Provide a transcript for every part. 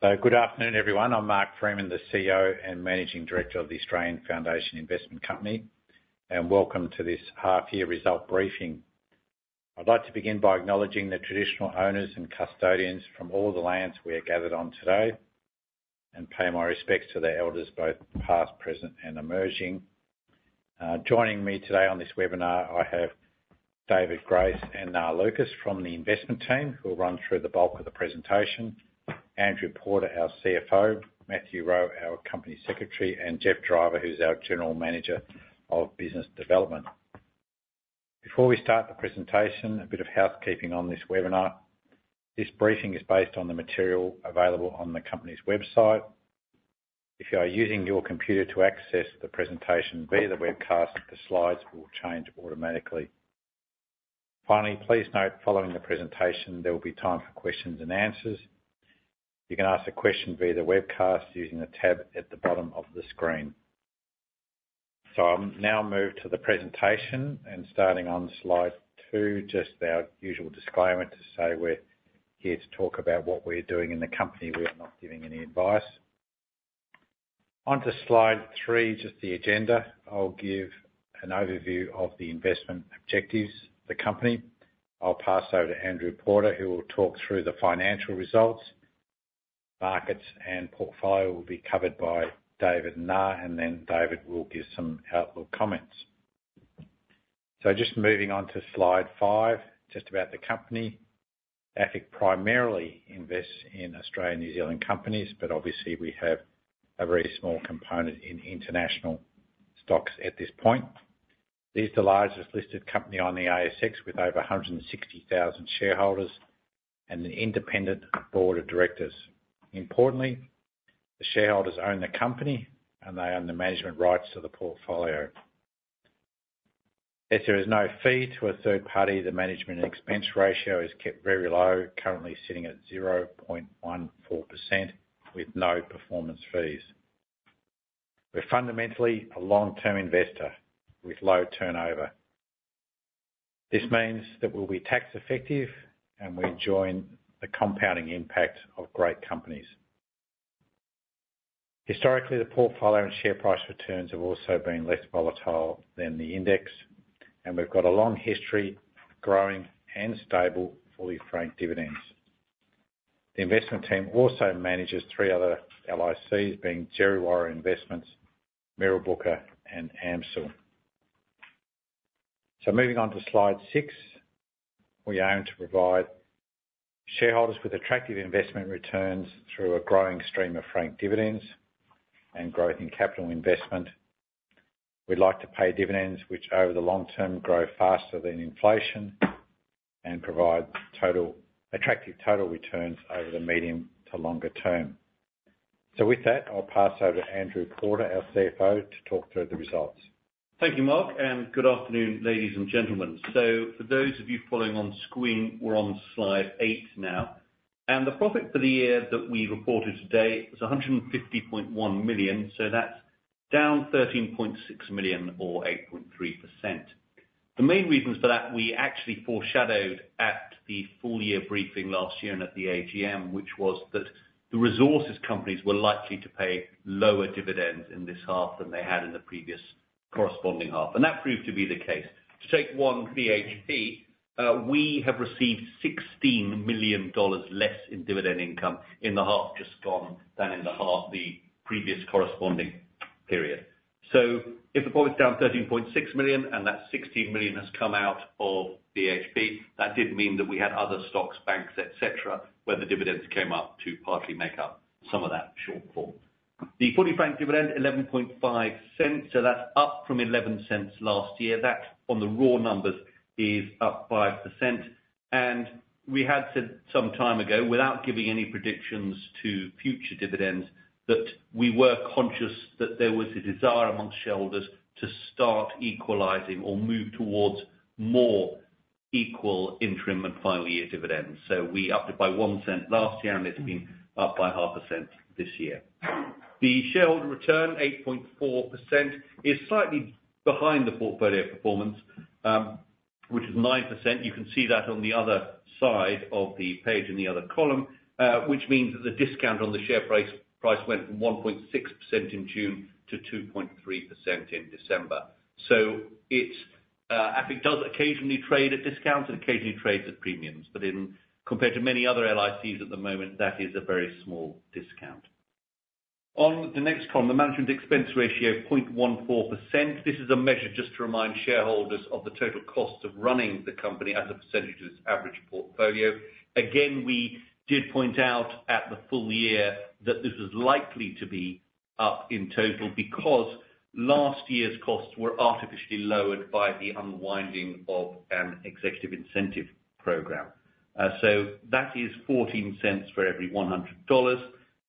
So good afternoon, everyone. I'm Mark Freeman, the CEO and Managing Director of the Australian Foundation Investment Company, and welcome to this half year result briefing. I'd like to begin by acknowledging the traditional owners and custodians from all the lands we are gathered on today, and pay my respects to the elders, both past, present, and emerging. Joining me today on this webinar, I have David Grace and Nga Lucas from the investment team, who will run through the bulk of the presentation. Andrew Porter, our CFO, Matthew Rowe, our Company Secretary, and Geoff Driver, who's our General Manager of Business Development. Before we start the presentation, a bit of housekeeping on this webinar. This briefing is based on the material available on the company's website. If you are using your computer to access the presentation via the webcast, the slides will change automatically. Finally, please note, following the presentation, there will be time for questions and answers. You can ask a question via the webcast, using the tab at the bottom of the screen. So I'll now move to the presentation, and starting on slide two, just our usual disclaimer to say we're here to talk about what we're doing in the company. We are not giving any advice. Onto slide three, just the agenda. I'll give an overview of the investment objectives of the company. I'll pass over to Andrew Porter, who will talk through the financial results. Markets and portfolio will be covered by David and Nga, and then David will give some outlook comments. So just moving on to slide five, just about the company. AFIC primarily invests in Australian, New Zealand companies, but obviously we have a very small component in international stocks at this point. It's the largest listed company on the ASX, with over 160,000 shareholders and an independent Board of Directors. Importantly, the shareholders own the company, and they own the management rights to the portfolio. If there is no fee to a third party, the management and expense ratio is kept very low, currently sitting at 0.14% with no performance fees. We're fundamentally a long-term investor with low turnover. This means that we'll be tax effective, and we enjoy the compounding impact of great companies. Historically, the portfolio and share price returns have also been less volatile than the index, and we've got a long history of growing and stable fully franked dividends. The investment team also manages three other LICs, being Djerriwarrh Investments, Mirrabooka, and AMCIL. Moving on to slide six. We aim to provide shareholders with attractive investment returns through a growing stream of franked dividends and growth in capital investment. We'd like to pay dividends, which over the long term, grow faster than inflation and provide total... attractive total returns over the medium to longer term. So with that, I'll pass over to Andrew Porter, our CFO, to talk through the results. Thank you, Mark, and good afternoon, ladies and gentlemen. So for those of you following on screen, we're on slide eight now, and the profit for the year that we reported today was 150.1 million. So that's down 13.6 million or 8.3%. The main reasons for that, we actually foreshadowed at the full year briefing last year and at the AGM, which was that the resources companies were likely to pay lower dividends in this half than they had in the previous corresponding half, and that proved to be the case. To take one, BHP, we have received 16 million dollars less in dividend income in the half just gone than in the half the previous corresponding period. So if the profit is down 13.6 million, and that 16 million has come out of BHP, that did mean that we had other stocks, banks, et cetera, where the dividends came up to partly make up some of that shortfall. The fully franked dividend, 0.115, so that's up from 0.11 last year. That, on the raw numbers, is up by 5%, and we had said some time ago, without giving any predictions to future dividends, that we were conscious that there was a desire amongst shareholders to start equalizing or move towards more equal interim and final year dividends. So we upped it by 0.01 last year, and it's been up by AUD 0.005 this year. The shareholder return, 8.4%, is slightly behind the portfolio performance, which is 9%. You can see that on the other side of the page, in the other column, which means that the discount on the share price went from 1.6% in June to 2.3% in December. So it, AFIC does occasionally trade at discounts and occasionally trades at premiums, but compared to many other LICs at the moment, that is a very small discount. On the next column, the management expense ratio, 0.14%. This is a measure just to remind shareholders of the total costs of running the company as a percentage of its average portfolio. Again, we did point out at the full year that this is likely to be up in total, because last year's costs were artificially lowered by the unwinding of an executive incentive program. So that is 0.14 for every 100 dollars.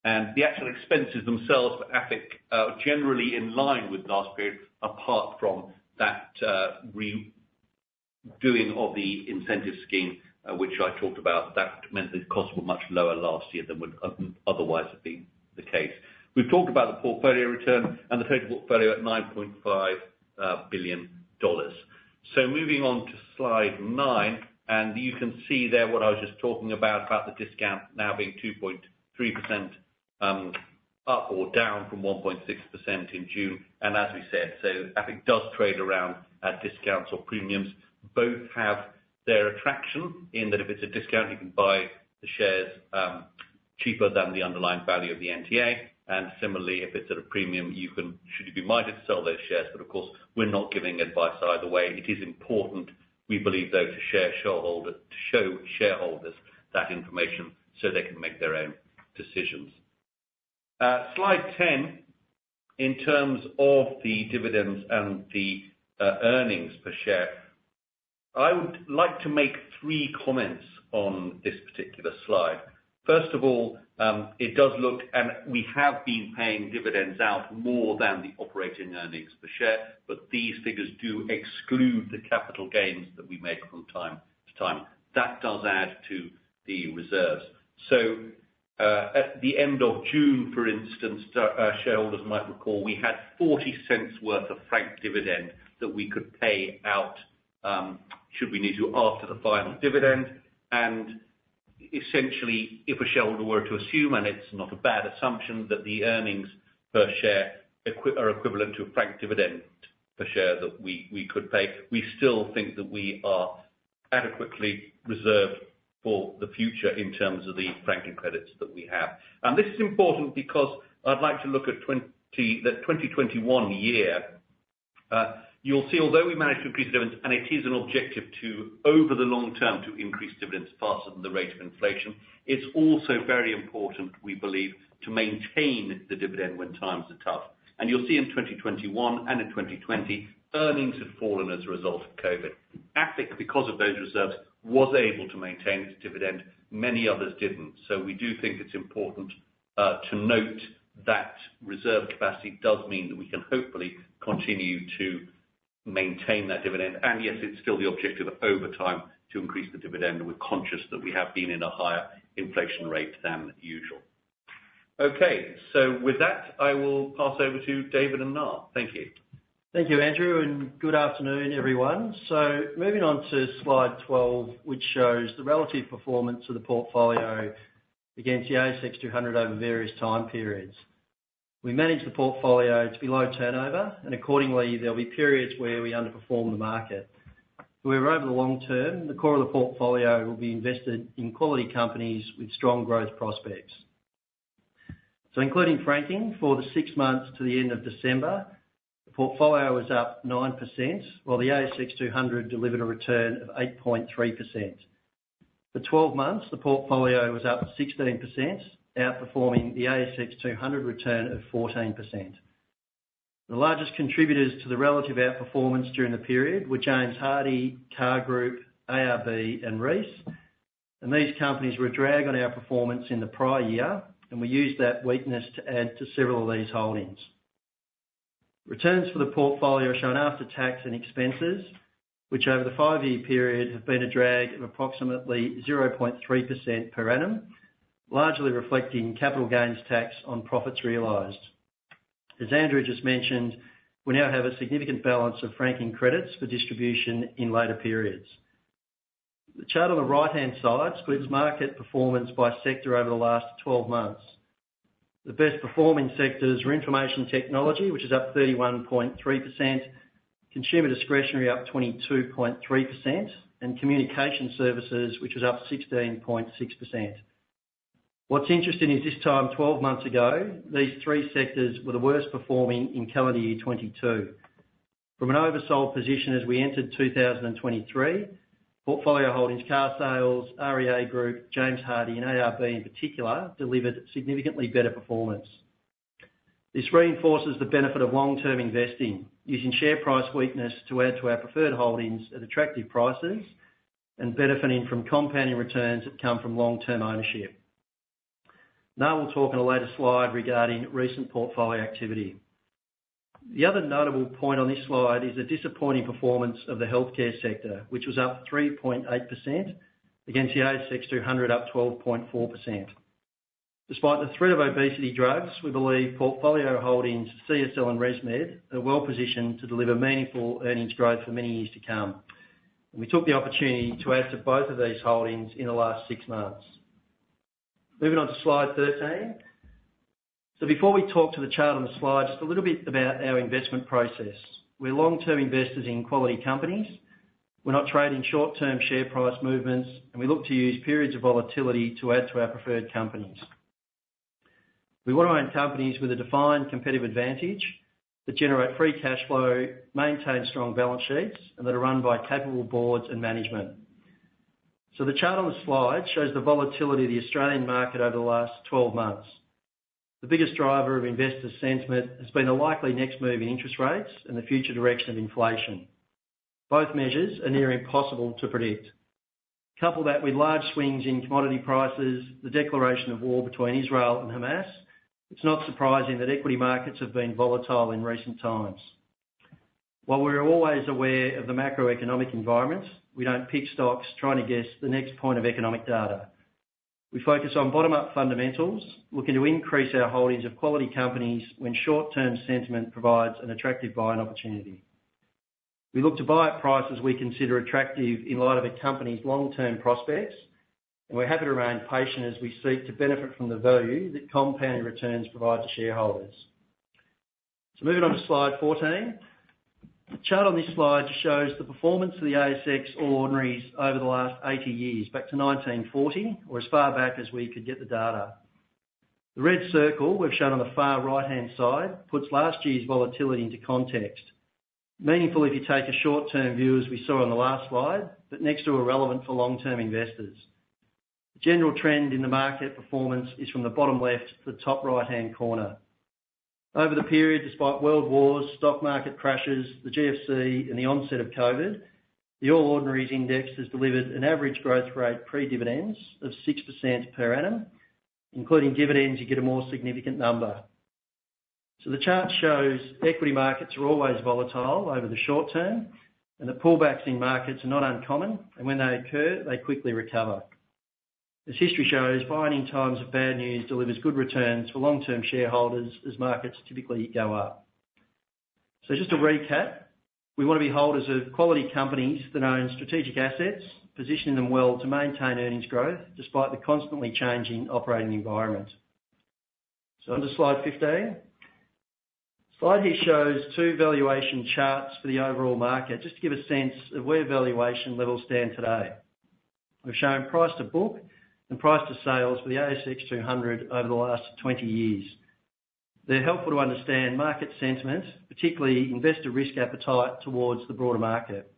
The actual expenses themselves for AFIC are generally in line with last period, apart from that re-doing of the incentive scheme, which I talked about. That meant the costs were much lower last year than would otherwise have been the case. We've talked about the portfolio return and the total portfolio at 9.5 billion dollars. So moving on to slide nine, and you can see there what I was just talking about, about the discount now being 2.3%, up or down from 1.6% in June. And as we said, so I think it does trade around at discounts or premiums. Both have their attraction, in that if it's a discount, you can buy the shares cheaper than the underlying value of the NTA. And similarly, if it's at a premium, you should be minded to sell those shares. But of course, we're not giving advice either way. It is important, we believe, though, to show shareholders that information so they can make their own decisions. Slide 10, in terms of the dividends and the earnings per share, I would like to make three comments on this particular slide. First of all, it does look, and we have been paying dividends out more than the operating earnings per share, but these figures do exclude the capital gains that we make from time to time. That does add to the reserves. So, at the end of June, for instance, shareholders might recall, we had 0.40 worth of franked dividend that we could pay out, should we need to, after the final dividend. Essentially, if a shareholder were to assume, and it's not a bad assumption, that the earnings per share are equivalent to a franked dividend per share that we, we could pay, we still think that we are adequately reserved for the future in terms of the franking credits that we have. This is important because I'd like to look at the 2021 year. You'll see, although we managed to increase dividends, and it is an objective to, over the long term, to increase dividends faster than the rate of inflation, it's also very important, we believe, to maintain the dividend when times are tough. You'll see in 2021 and in 2020, earnings have fallen as a result of COVID. AFIC, because of those reserves, was able to maintain its dividend. Many others didn't. We do think it's important to note that reserve capacity does mean that we can hopefully continue to maintain that dividend. Yes, it's still the objective over time to increase the dividend. We're conscious that we have been in a higher inflation rate than usual. Okay, so with that, I will pass over to David and Nga. Thank you. Thank you, Andrew, and good afternoon, everyone. So moving on to slide 12, which shows the relative performance of the portfolio against the ASX 200 over various time periods. We manage the portfolio to be low turnover, and accordingly, there'll be periods where we underperform the market. Where over the long term, the core of the portfolio will be invested in quality companies with strong growth prospects. So including franking, for the six months to the end of December, the portfolio is up 9%, while the ASX 200 delivered a return of 8.3%. For 12 months, the portfolio was up 16%, outperforming the ASX 200 return of 14%. The largest contributors to the relative outperformance during the period were James Hardie, CAR Group, ARB, and Reece. These companies were a drag on our performance in the prior year, and we used that weakness to add to several of these holdings. Returns for the portfolio are shown after tax and expenses, which over the five-year period have been a drag of approximately 0.3% per annum, largely reflecting capital gains tax on profits realized. As Andrew just mentioned, we now have a significant balance of franking credits for distribution in later periods. The chart on the right-hand side splits market performance by sector over the last 12 months. The best performing sectors were Information Technology, which is up 31.3%, Consumer Discretionary up 22.3%, and Communication Services, which is up 16.6%. What's interesting is this time 12 months ago, these three sectors were the worst performing in calendar year 2022. From an oversold position as we entered 2023, portfolio holdings, Carsales, REA Group, James Hardie, and ARB in particular, delivered significantly better performance. This reinforces the benefit of long-term investing, using share price weakness to add to our preferred holdings at attractive prices and benefiting from compounding returns that come from long-term ownership. Now, we'll talk on a later slide regarding recent portfolio activity. The other notable point on this slide is the disappointing performance of the healthcare sector, which was up 3.8% against the ASX 200, up 12.4%. Despite the threat of obesity drugs, we believe portfolio holdings CSL and ResMed are well positioned to deliver meaningful earnings growth for many years to come. And we took the opportunity to add to both of these holdings in the last six months. Moving on to slide 13. So before we talk to the chart on the slide, just a little bit about our investment process. We're long-term investors in quality companies. We're not trading short-term share price movements, and we look to use periods of volatility to add to our preferred companies. We want to own companies with a defined competitive advantage, that generate free cash flow, maintain strong balance sheets, and that are run by capable boards and management. So the chart on the slide shows the volatility of the Australian market over the last 12 months. The biggest driver of investor sentiment has been the likely next move in interest rates and the future direction of inflation. Both measures are near impossible to predict. Couple that with large swings in commodity prices, the declaration of war between Israel and Hamas, it's not surprising that equity markets have been volatile in recent times. While we're always aware of the macroeconomic environments, we don't pick stocks trying to guess the next point of economic data. We focus on bottom-up fundamentals, looking to increase our holdings of quality companies when short-term sentiment provides an attractive buying opportunity. We look to buy at prices we consider attractive in light of a company's long-term prospects, and we're happy to remain patient as we seek to benefit from the value that compounding returns provide to shareholders. So moving on to slide 14. The chart on this slide shows the performance of the All Ordinaries over the last 80 years, back to 1940, or as far back as we could get the data. The red circle we've shown on the far right-hand side, puts last year's volatility into context. Meaningful if you take a short-term view, as we saw on the last slide, but next to irrelevant for long-term investors. The general trend in the market performance is from the bottom left to the top right-hand corner. Over the period, despite world wars, stock market crashes, the GFC, and the onset of COVID, the All Ordinaries Index has delivered an average growth rate, pre-dividends, of 6% per annum. Including dividends, you get a more significant number. So the chart shows equity markets are always volatile over the short term, and that pullbacks in markets are not uncommon, and when they occur, they quickly recover. As history shows, buying in times of bad news delivers good returns for long-term shareholders as markets typically go up. So just to recap, we want to be holders of quality companies that own strategic assets, positioning them well to maintain earnings growth despite the constantly changing operating environment. So on to slide 15. The slide here shows two valuation charts for the overall market, just to give a sense of where valuation levels stand today. We've shown price to book and price to sales for the ASX 200 over the last 20 years. They're helpful to understand market sentiment, particularly investor risk appetite towards the broader market.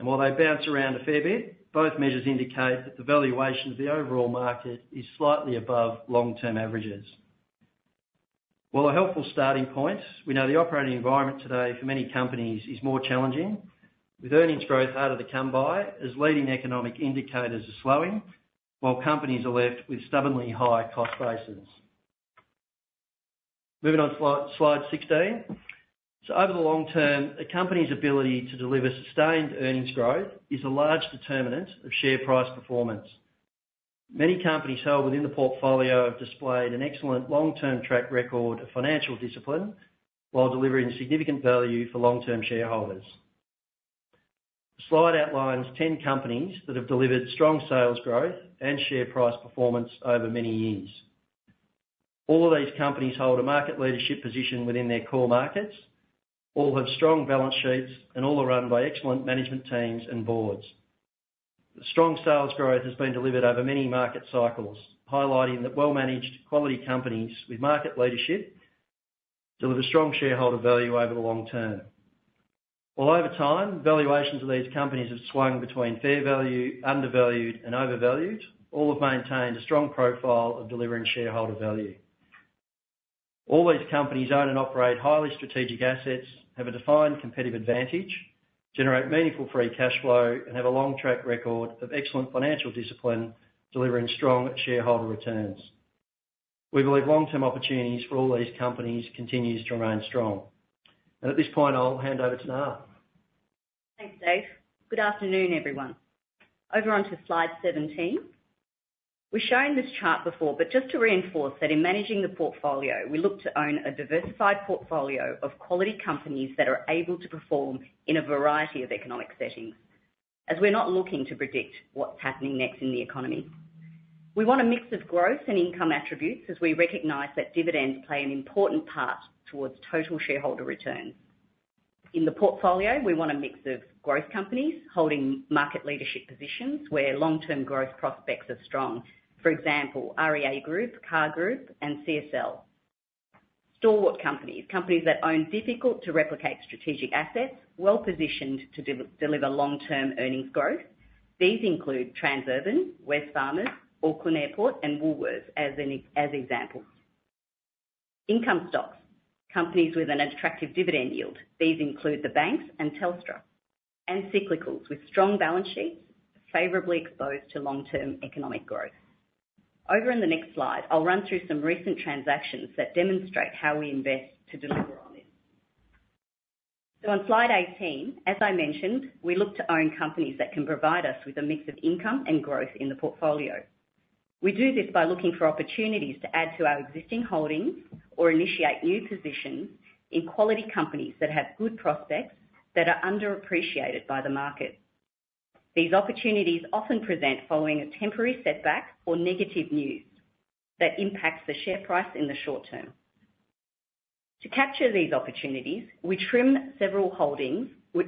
While they bounce around a fair bit, both measures indicate that the valuation of the overall market is slightly above long-term averages. While a helpful starting point, we know the operating environment today for many companies is more challenging, with earnings growth harder to come by as leading economic indicators are slowing, while companies are left with stubbornly high cost bases. Moving on to slide 16. So over the long term, a company's ability to deliver sustained earnings growth is a large determinant of share price performance. Many companies held within the portfolio have displayed an excellent long-term track record of financial discipline, while delivering significant value for long-term shareholders. The slide outlines ten companies that have delivered strong sales growth and share price performance over many years. All of these companies hold a market leadership position within their core markets, all have strong balance sheets, and all are run by excellent management teams and boards. The strong sales growth has been delivered over many market cycles, highlighting that well-managed quality companies with market leadership deliver strong shareholder value over the long term. While over time, valuations of these companies have swung between fair value, undervalued, and overvalued, all have maintained a strong profile of delivering shareholder value. All these companies own and operate highly strategic assets, have a defined competitive advantage, generate meaningful free cash flow, and have a long track record of excellent financial discipline, delivering strong shareholder returns. We believe long-term opportunities for all these companies continues to remain strong. At this point, I'll hand over to Nga. Thanks, Dave. Good afternoon, everyone. Over onto slide 17. We've shown this chart before, but just to reinforce that in managing the portfolio, we look to own a diversified portfolio of quality companies that are able to perform in a variety of economic settings, as we're not looking to predict what's happening next in the economy. We want a mix of growth and income attributes, as we recognize that dividends play an important part towards total shareholder return. In the portfolio, we want a mix of growth companies holding market leadership positions, where long-term growth prospects are strong. For example, REA Group, CAR Group, and CSL. Stalwart companies, companies that own difficult-to-replicate strategic assets, well-positioned to deliver long-term earnings growth. These include Transurban, Wesfarmers, Auckland Airport, and Woolworths, as examples. Income stocks, companies with an attractive dividend yield. These include the banks and Telstra. And cyclicals with strong balance sheets, favorably exposed to long-term economic growth. Over in the next slide, I'll run through some recent transactions that demonstrate how we invest to deliver on this. On slide 18, as I mentioned, we look to own companies that can provide us with a mix of income and growth in the portfolio. We do this by looking for opportunities to add to our existing holdings or initiate new positions in quality companies that have good prospects that are underappreciated by the market. These opportunities often present following a temporary setback or negative news that impacts the share price in the short term. To capture these opportunities, we trim several holdings where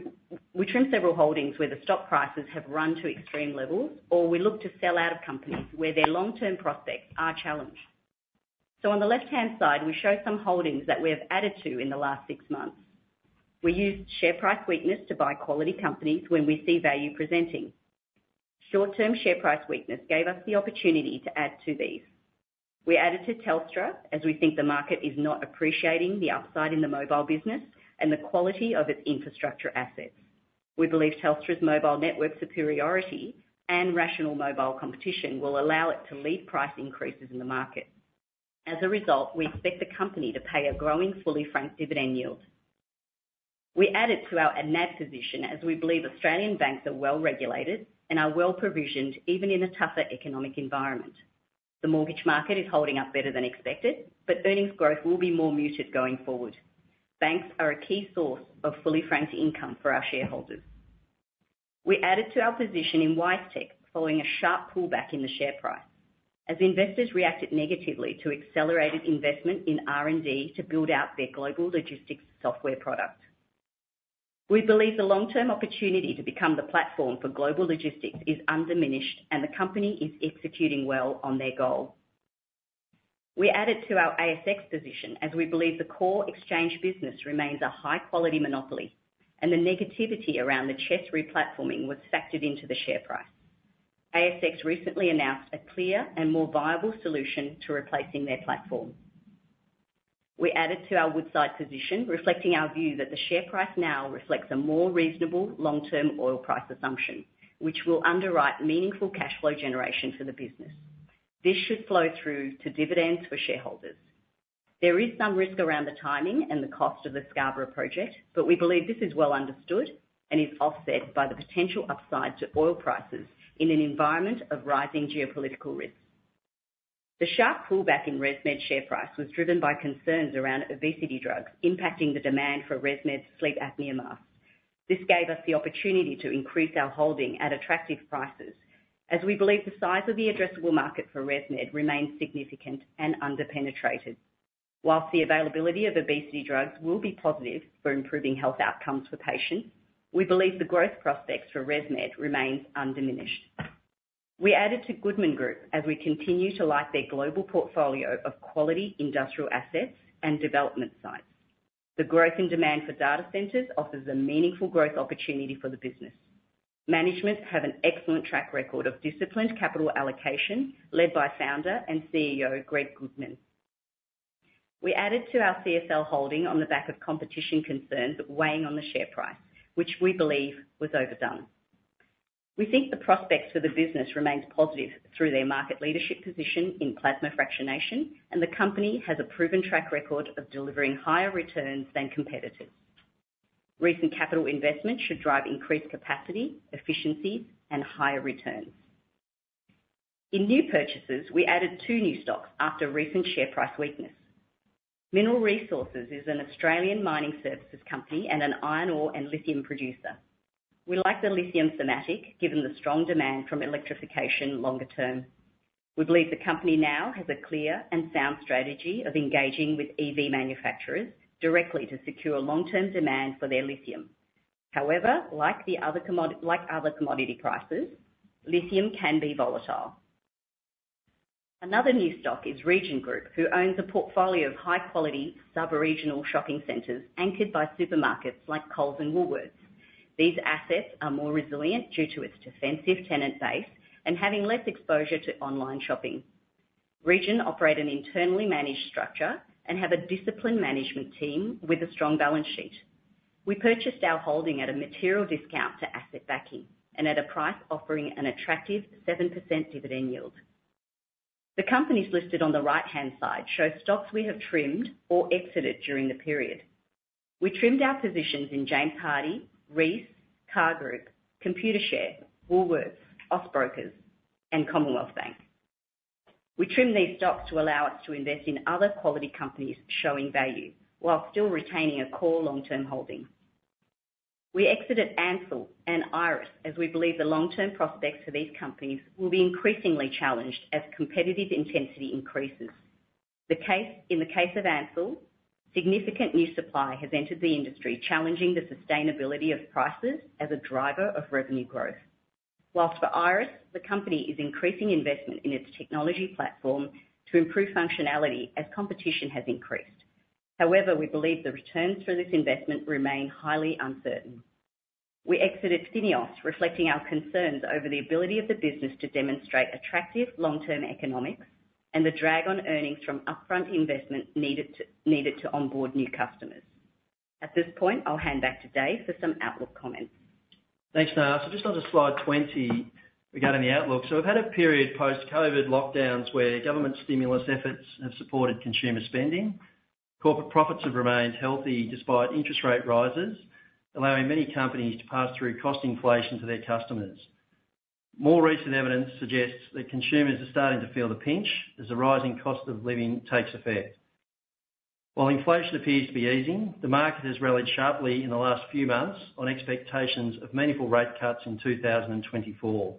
the stock prices have run to extreme levels, or we look to sell out of companies where their long-term prospects are challenged. So on the left-hand side, we show some holdings that we have added to in the last six months. We used share price weakness to buy quality companies when we see value presenting. Short-term share price weakness gave us the opportunity to add to these. We added to Telstra, as we think the market is not appreciating the upside in the mobile business and the quality of its infrastructure assets. We believe Telstra's mobile network superiority and rational mobile competition will allow it to lead price increases in the market. As a result, we expect the company to pay a growing fully franked dividend yield. We added to our NAB position as we believe Australian banks are well-regulated and are well-provisioned, even in a tougher economic environment. The mortgage market is holding up better than expected, but earnings growth will be more muted going forward. Banks are a key source of fully franked income for our shareholders. We added to our position in WiseTech following a sharp pullback in the share price, as investors reacted negatively to accelerated investment in R&D to build out their global logistics software product. We believe the long-term opportunity to become the platform for global logistics is undiminished, and the company is executing well on their goal. We added to our ASX position as we believe the core exchange business remains a high-quality monopoly, and the negativity around the CHESS re-platforming was factored into the share price. ASX recently announced a clear and more viable solution to replacing their platform. We added to our Woodside position, reflecting our view that the share price now reflects a more reasonable long-term oil price assumption, which will underwrite meaningful cash flow generation for the business. This should flow through to dividends for shareholders. There is some risk around the timing and the cost of the Scarborough Project, but we believe this is well understood and is offset by the potential upside to oil prices in an environment of rising geopolitical risks. The sharp pullback in ResMed's share price was driven by concerns around obesity drugs, impacting the demand for ResMed's sleep apnea mask. This gave us the opportunity to increase our holding at attractive prices, as we believe the size of the addressable market for ResMed remains significant and under-penetrated. Whilst the availability of obesity drugs will be positive for improving health outcomes for patients, we believe the growth prospects for ResMed remains undiminished. We added to Goodman Group as we continue to like their global portfolio of quality industrial assets and development sites. The growth in demand for data centers offers a meaningful growth opportunity for the business. Management have an excellent track record of disciplined capital allocation, led by founder and CEO, Greg Goodman. We added to our CSL holding on the back of competition concerns weighing on the share price, which we believe was overdone. We think the prospects for the business remains positive through their market leadership position in plasma fractionation, and the company has a proven track record of delivering higher returns than competitors. Recent capital investments should drive increased capacity, efficiency, and higher returns. In new purchases, we added two new stocks after recent share price weakness. Mineral Resources is an Australian mining services company and an iron ore and lithium producer. We like the lithium thematic, given the strong demand from electrification longer term. We believe the company now has a clear and sound strategy of engaging with EV manufacturers directly to secure long-term demand for their lithium. However, like the other commodity prices, lithium can be volatile. Another new stock is Region Group, who owns a portfolio of high-quality, sub-regional shopping centers anchored by supermarkets like Coles and Woolworths. These assets are more resilient due to its defensive tenant base and having less exposure to online shopping. Region operate an internally managed structure and have a disciplined management team with a strong balance sheet. We purchased our holding at a material discount to asset backing and at a price offering an attractive 7% dividend yield. The companies listed on the right-hand side show stocks we have trimmed or exited during the period. We trimmed our positions in James Hardie, Reece, CAR Group, Computershare, Woolworths, Austbrokers, and Commonwealth Bank. We trimmed these stocks to allow us to invest in other quality companies showing value while still retaining a core long-term holding. We exited Ansell and IRESS, as we believe the long-term prospects for these companies will be increasingly challenged as competitive intensity increases. In the case of Ansell, significant new supply has entered the industry, challenging the sustainability of prices as a driver of revenue growth. While for IRESS, the company is increasing investment in its technology platform to improve functionality as competition has increased. However, we believe the returns for this investment remain highly uncertain. We exited FINEOS, reflecting our concerns over the ability of the business to demonstrate attractive long-term economics and the drag on earnings from upfront investment needed to onboard new customers. At this point, I'll hand back to Dave for some outlook comments. Thanks, Nga. So just on to slide 20, regarding the outlook. So we've had a period post-COVID lockdowns, where government stimulus efforts have supported consumer spending. Corporate profits have remained healthy despite interest rate rises, allowing many companies to pass through cost inflation to their customers. More recent evidence suggests that consumers are starting to feel the pinch as the rising cost of living takes effect. While inflation appears to be easing, the market has rallied sharply in the last few months on expectations of meaningful rate cuts in 2024.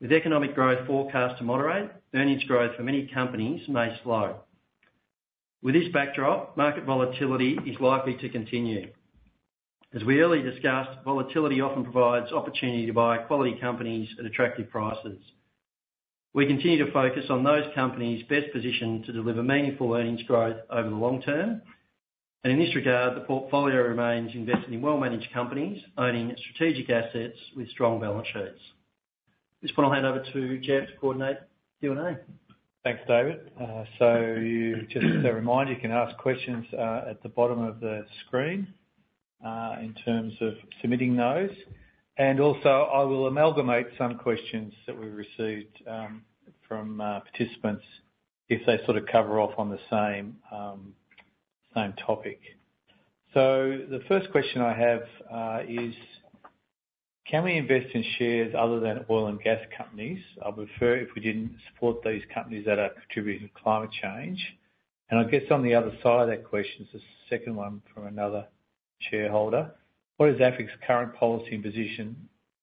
With economic growth forecast to moderate, earnings growth for many companies may slow. With this backdrop, market volatility is likely to continue. As we earlier discussed, volatility often provides opportunity to buy quality companies at attractive prices. We continue to focus on those companies best positioned to deliver meaningful earnings growth over the long term, and in this regard, the portfolio remains invested in well-managed companies, owning strategic assets with strong balance sheets. At this point, I'll hand over to Geoff to coordinate Q&A. Thanks, David. So just as a reminder, you can ask questions at the bottom of the screen in terms of submitting those. And also, I will amalgamate some questions that we've received from participants if they sort of cover off on the same same topic. So the first question I have is: Can we invest in shares other than oil and gas companies? I would prefer if we didn't support those companies that are contributing to climate change. And I guess on the other side of that question, is the second one from another shareholder: What is AFIC's current policy and position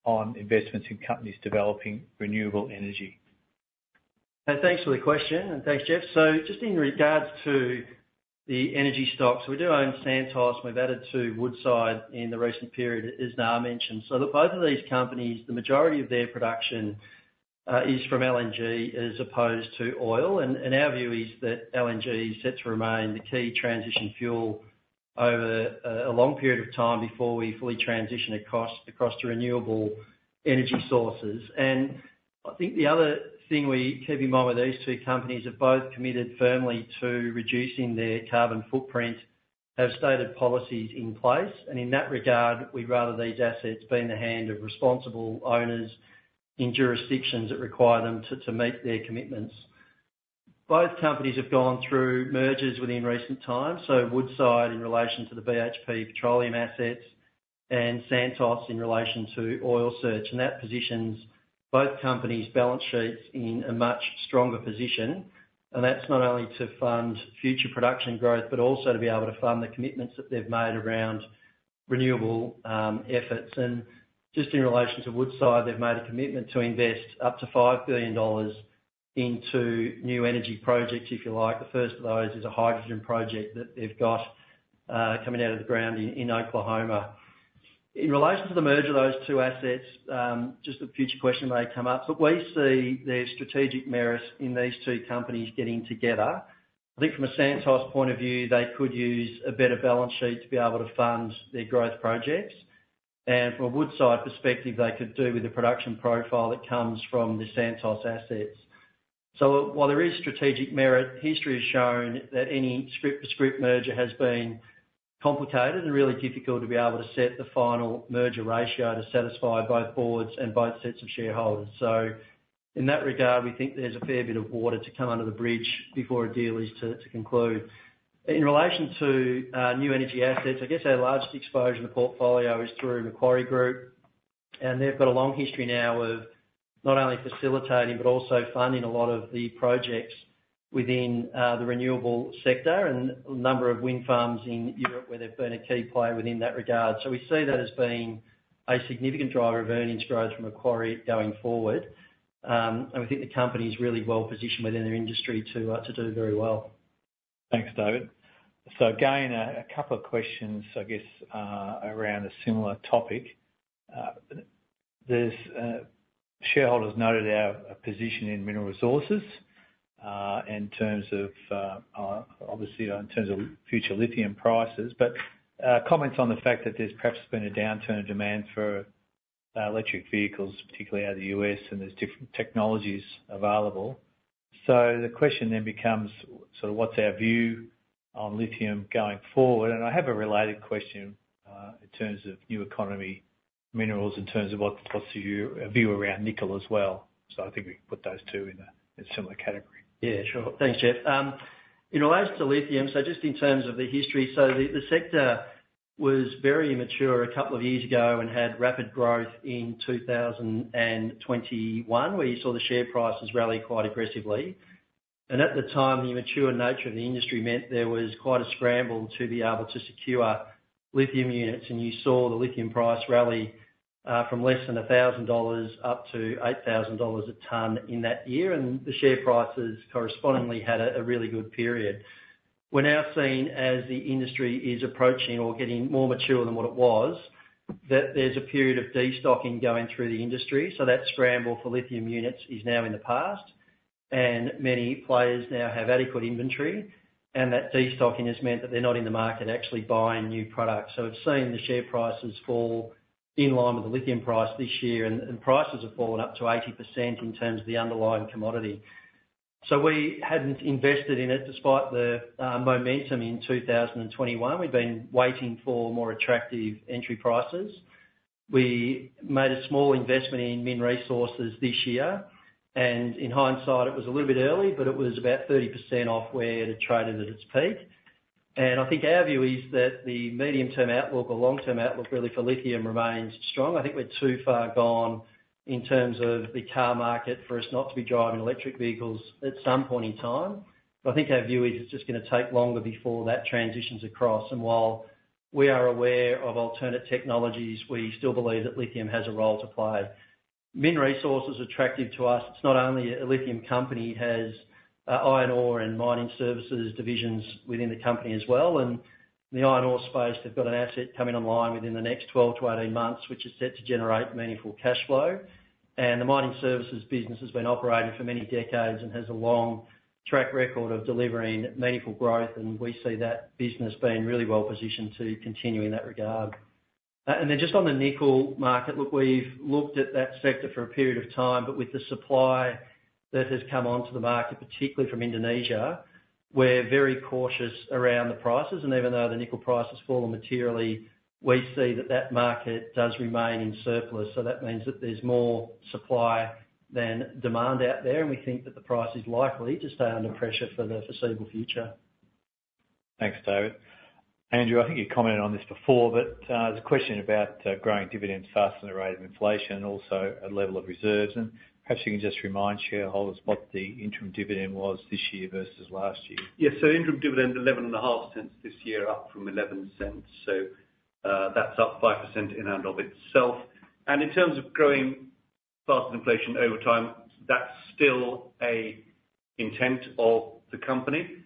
on investments in companies developing renewable energy? Thanks for the question, and thanks, Geoff. So just in regards to the energy stocks, we do own Santos, and we've added to Woodside in the recent period, as Nga mentioned. So look, both of these companies, the majority of their production is from LNG as opposed to oil. And our view is that LNG is set to remain the key transition fuel over a long period of time before we fully transition across to renewable energy sources. And I think the other thing we keep in mind with these two companies have both committed firmly to reducing their carbon footprint, have stated policies in place, and in that regard, we'd rather these assets be in the hands of responsible owners in jurisdictions that require them to meet their commitments. Both companies have gone through mergers within recent times, so Woodside in relation to the BHP Petroleum assets, and Santos in relation to Oil Search, and that positions both companies' balance sheets in a much stronger position. That's not only to fund future production growth, but also to be able to fund the commitments that they've made around renewable efforts. And just in relation to Woodside, they've made a commitment to invest up to $5 billion into new energy projects, if you like. The first of those is a hydrogen project that they've got coming out of the ground in Oklahoma. In relation to the merger of those two assets, just a future question may come up, but we see there's strategic merits in these two companies getting together. I think from a Santos point of view, they could use a better balance sheet to be able to fund their growth projects. And from a Woodside perspective, they could do with the production profile that comes from the Santos assets. So while there is strategic merit, history has shown that any scrip-to-scrip merger has been complicated and really difficult to be able to set the final merger ratio to satisfy both boards and both sets of shareholders. So in that regard, we think there's a fair bit of water to come under the bridge before a deal is to conclude. In relation to new energy assets, I guess our largest exposure in the portfolio is through Macquarie Group, and they've got a long history now of not only facilitating, but also funding a lot of the projects within the renewable sector, and a number of wind farms in Europe, where they've been a key player within that regard. So we see that as being a significant driver of earnings growth from Macquarie going forward. And we think the company's really well positioned within their industry to do very well. Thanks, David. So again, a couple of questions, I guess, around a similar topic. Shareholders noted our position in Mineral Resources, in terms of obviously, in terms of future lithium prices, but comments on the fact that there's perhaps been a downturn in demand for electric vehicles, particularly out of the U.S., and there's different technologies available. So the question then becomes, so what's our view on lithium going forward? And I have a related question, in terms of new economy minerals, in terms of what's your view around nickel as well? So I think we can put those two in a similar category. Yeah, sure. Thanks, Geoff. You know, as to lithium, so just in terms of the history, so the sector was very mature a couple of years ago and had rapid growth in 2021, where you saw the share prices rally quite aggressively. And at the time, the mature nature of the industry meant there was quite a scramble to be able to secure lithium units, and you saw the lithium price rally from less than $1,000 up to $8,000 a ton in that year, and the share prices correspondingly had a really good period. We're now seeing, as the industry is approaching or getting more mature than what it was, that there's a period of destocking going through the industry. So that scramble for lithium units is now in the past, and many players now have adequate inventory, and that destocking has meant that they're not in the market actually buying new products. So we've seen the share prices fall in line with the lithium price this year, and, and prices have fallen up to 80% in terms of the underlying commodity. So we hadn't invested in it, despite the momentum in 2021. We've been waiting for more attractive entry prices. We made a small investment in Mineral Resources this year, and in hindsight, it was a little bit early, but it was about 30% off where it had traded at its peak. And I think our view is that the medium-term outlook or long-term outlook, really, for lithium remains strong. I think we're too far gone in terms of the car market, for us not to be driving electric vehicles at some point in time. But I think our view is, it's just gonna take longer before that transitions across. And while we are aware of alternate technologies, we still believe that lithium has a role to play. Mineral Resources is attractive to us. It's not only a lithium company, it has, iron ore and mining services divisions within the company as well. And the iron ore space, they've got an asset coming online within the next 12-18 months, which is set to generate meaningful cash flow. And the mining services business has been operating for many decades and has a long track record of delivering meaningful growth, and we see that business being really well positioned to continue in that regard. Then, just on the nickel market, look, we've looked at that sector for a period of time, but with the supply that has come onto the market, particularly from Indonesia, we're very cautious around the prices, and even though the nickel price has fallen materially, we see that that market does remain in surplus. So that means that there's more supply than demand out there, and we think that the price is likely to stay under pressure for the foreseeable future. Thanks, David. Andrew, I think you commented on this before, but there's a question about growing dividends faster than the rate of inflation and also a level of reserves. Perhaps you can just remind shareholders what the interim dividend was this year versus last year. Yes, so interim dividend is AUD 0.115 this year, up from 0.11. So, that's up 5% in and of itself. And in terms of growing faster than inflation over time, that's still an intent of the company.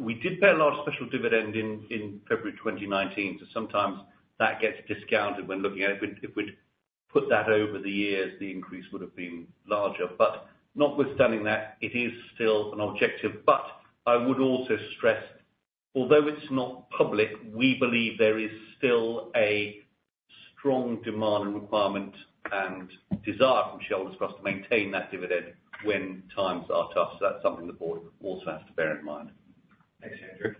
We did pay a large special dividend in February 2019, so sometimes that gets discounted when looking at it. But if we'd put that over the years, the increase would have been larger. But notwithstanding that, it is still an objective. But I would also stress, although it's not public, we believe there is still a strong demand and requirement and desire from shareholders for us to maintain that dividend when times are tough. So that's something the board also has to bear in mind. Thanks, Andrew.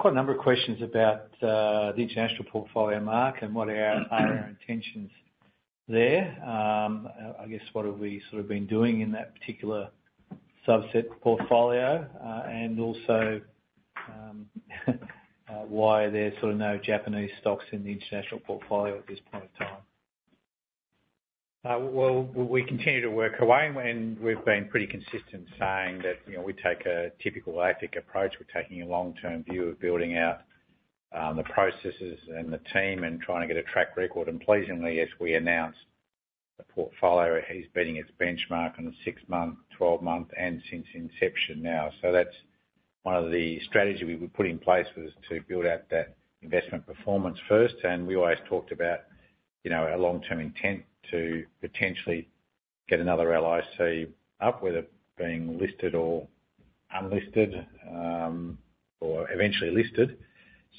Quite a number of questions about the international portfolio, Mark, and what are our intentions there? I guess, what have we sort of been doing in that particular subset portfolio? And also, why there's sort of no Japanese stocks in the international portfolio at this point in time. Well, we continue to work away, and we've been pretty consistent saying that, you know, we take a typical AFIC approach. We're taking a long-term view of building out the processes and the team and trying to get a track record. And pleasingly, as we announced, the portfolio is beating its benchmark on a six-month, 12-month, and since inception now. So that's one of the strategy we would put in place, was to build out that investment performance first. And we always talked about, you know, our long-term intent to potentially get another LIC up, whether it being listed or unlisted, or eventually listed.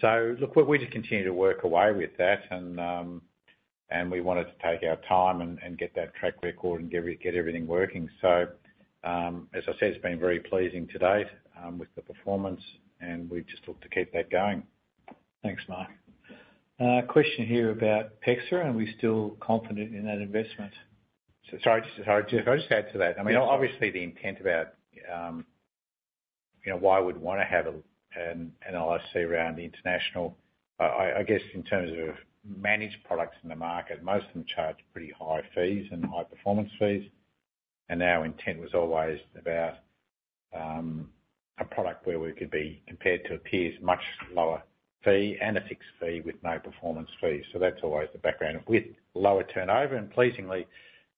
So look, we just continue to work away with that, and we wanted to take our time and get that track record and get everything working. As I said, it's been very pleasing to date with the performance, and we just look to keep that going. Thanks, Mark. Question here about PEXA, are we still confident in that investment? Sorry, just, can I just add to that? Yes. I mean, obviously, the intent about, you know, why we'd wanna have an LIC around the international. I guess, in terms of managed products in the market, most of them charge pretty high fees and high performance fees. And our intent was always about a product where we could be compared to our peers, much lower fee and a fixed fee with no performance fees. So that's always the background, with lower turnover, and pleasingly,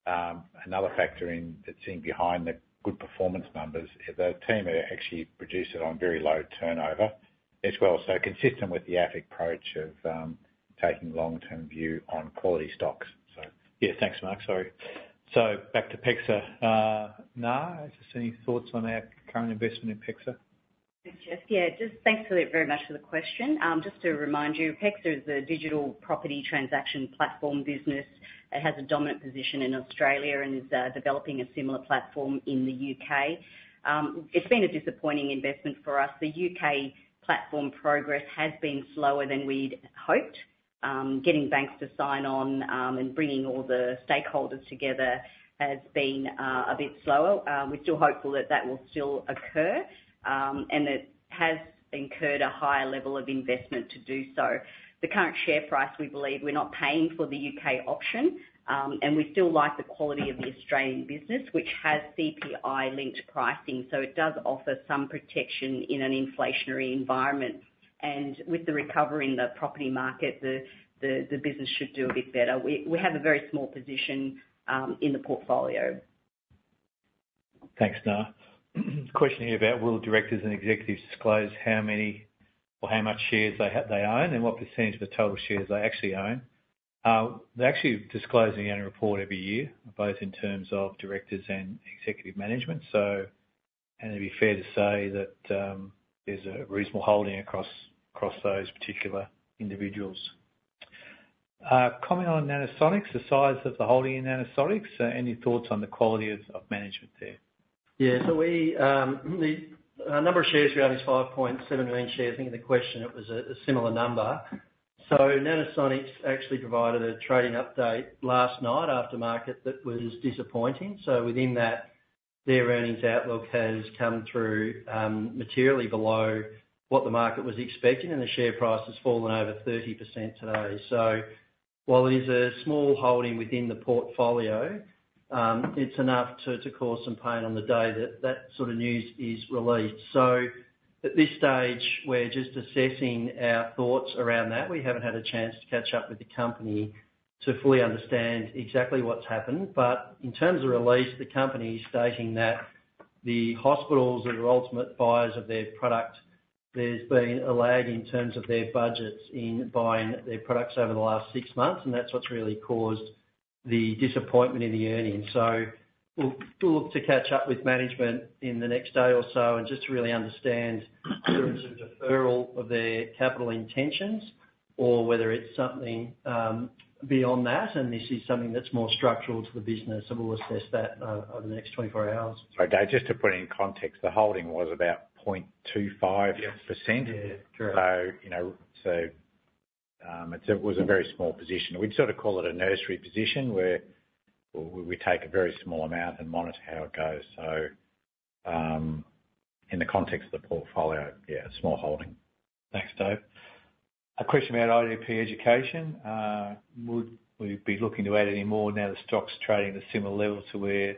another factor in that's in behind the good performance numbers, is the team are actually producing on very low turnover as well. So consistent with the AFIC approach of taking long-term view on quality stocks. So- Yeah. Thanks, Mark. Sorry. So back to PEXA. Nga, just any thoughts on our current investment in PEXA? Thanks, Geoff. Yeah, just thanks for that very much for the question. Just to remind you, PEXA is a digital property transaction platform business. It has a dominant position in Australia and is developing a similar platform in the U.K.. It's been a disappointing investment for us. The U.K. platform progress has been slower than we'd hoped. Getting banks to sign on and bringing all the stakeholders together has been a bit slower. We're still hopeful that that will still occur and it has incurred a higher level of investment to do so. The current share price, we believe we're not paying for the U.K. option and we still like the quality of the Australian business, which has CPI-linked pricing. So it does offer some protection in an inflationary environment. With the recovery in the property market, the business should do a bit better. We have a very small position in the portfolio. Thanks, Nga. Question here about will directors and executives disclose how many or how much shares they own, and what percentage of the total shares they actually own? They actually disclose in the annual report every year, both in terms of directors and executive management. It'd be fair to say that there's a reasonable holding across those particular individuals. Comment on Nanosonics, the size of the holding in Nanosonics. Any thoughts on the quality of management there? Yeah. So the number of shares we have is 5.7 million shares. I think in the question, it was a similar number. So Nanosonics actually provided a trading update last night after market that was disappointing. So within that, their earnings outlook has come through materially below what the market was expecting, and the share price has fallen over 30% today. So while it is a small holding within the portfolio, it's enough to cause some pain on the day that that sort of news is released. So at this stage, we're just assessing our thoughts around that. We haven't had a chance to catch up with the company to fully understand exactly what's happened. But in terms of release, the company is stating that the hospitals are the ultimate buyers of their product. There's been a lag in terms of their budgets in buying their products over the last six months, and that's what's really caused the disappointment in the earnings. So we'll, we'll look to catch up with management in the next day or so and just to really understand in terms of deferral of their capital intentions.... or whether it's something beyond that, and this is something that's more structural to the business, and we'll assess that over the next 24 hours. Sorry, Dave, just to put it in context, the holding was about 0.25%? Yes. Yeah, correct. So, you know, it was a very small position. We'd sort of call it a nursery position, where we take a very small amount and monitor how it goes. So, in the context of the portfolio, yeah, a small holding. Thanks, Dave. A question about IDP Education. Would we be looking to add any more now that stocks trading at a similar level to where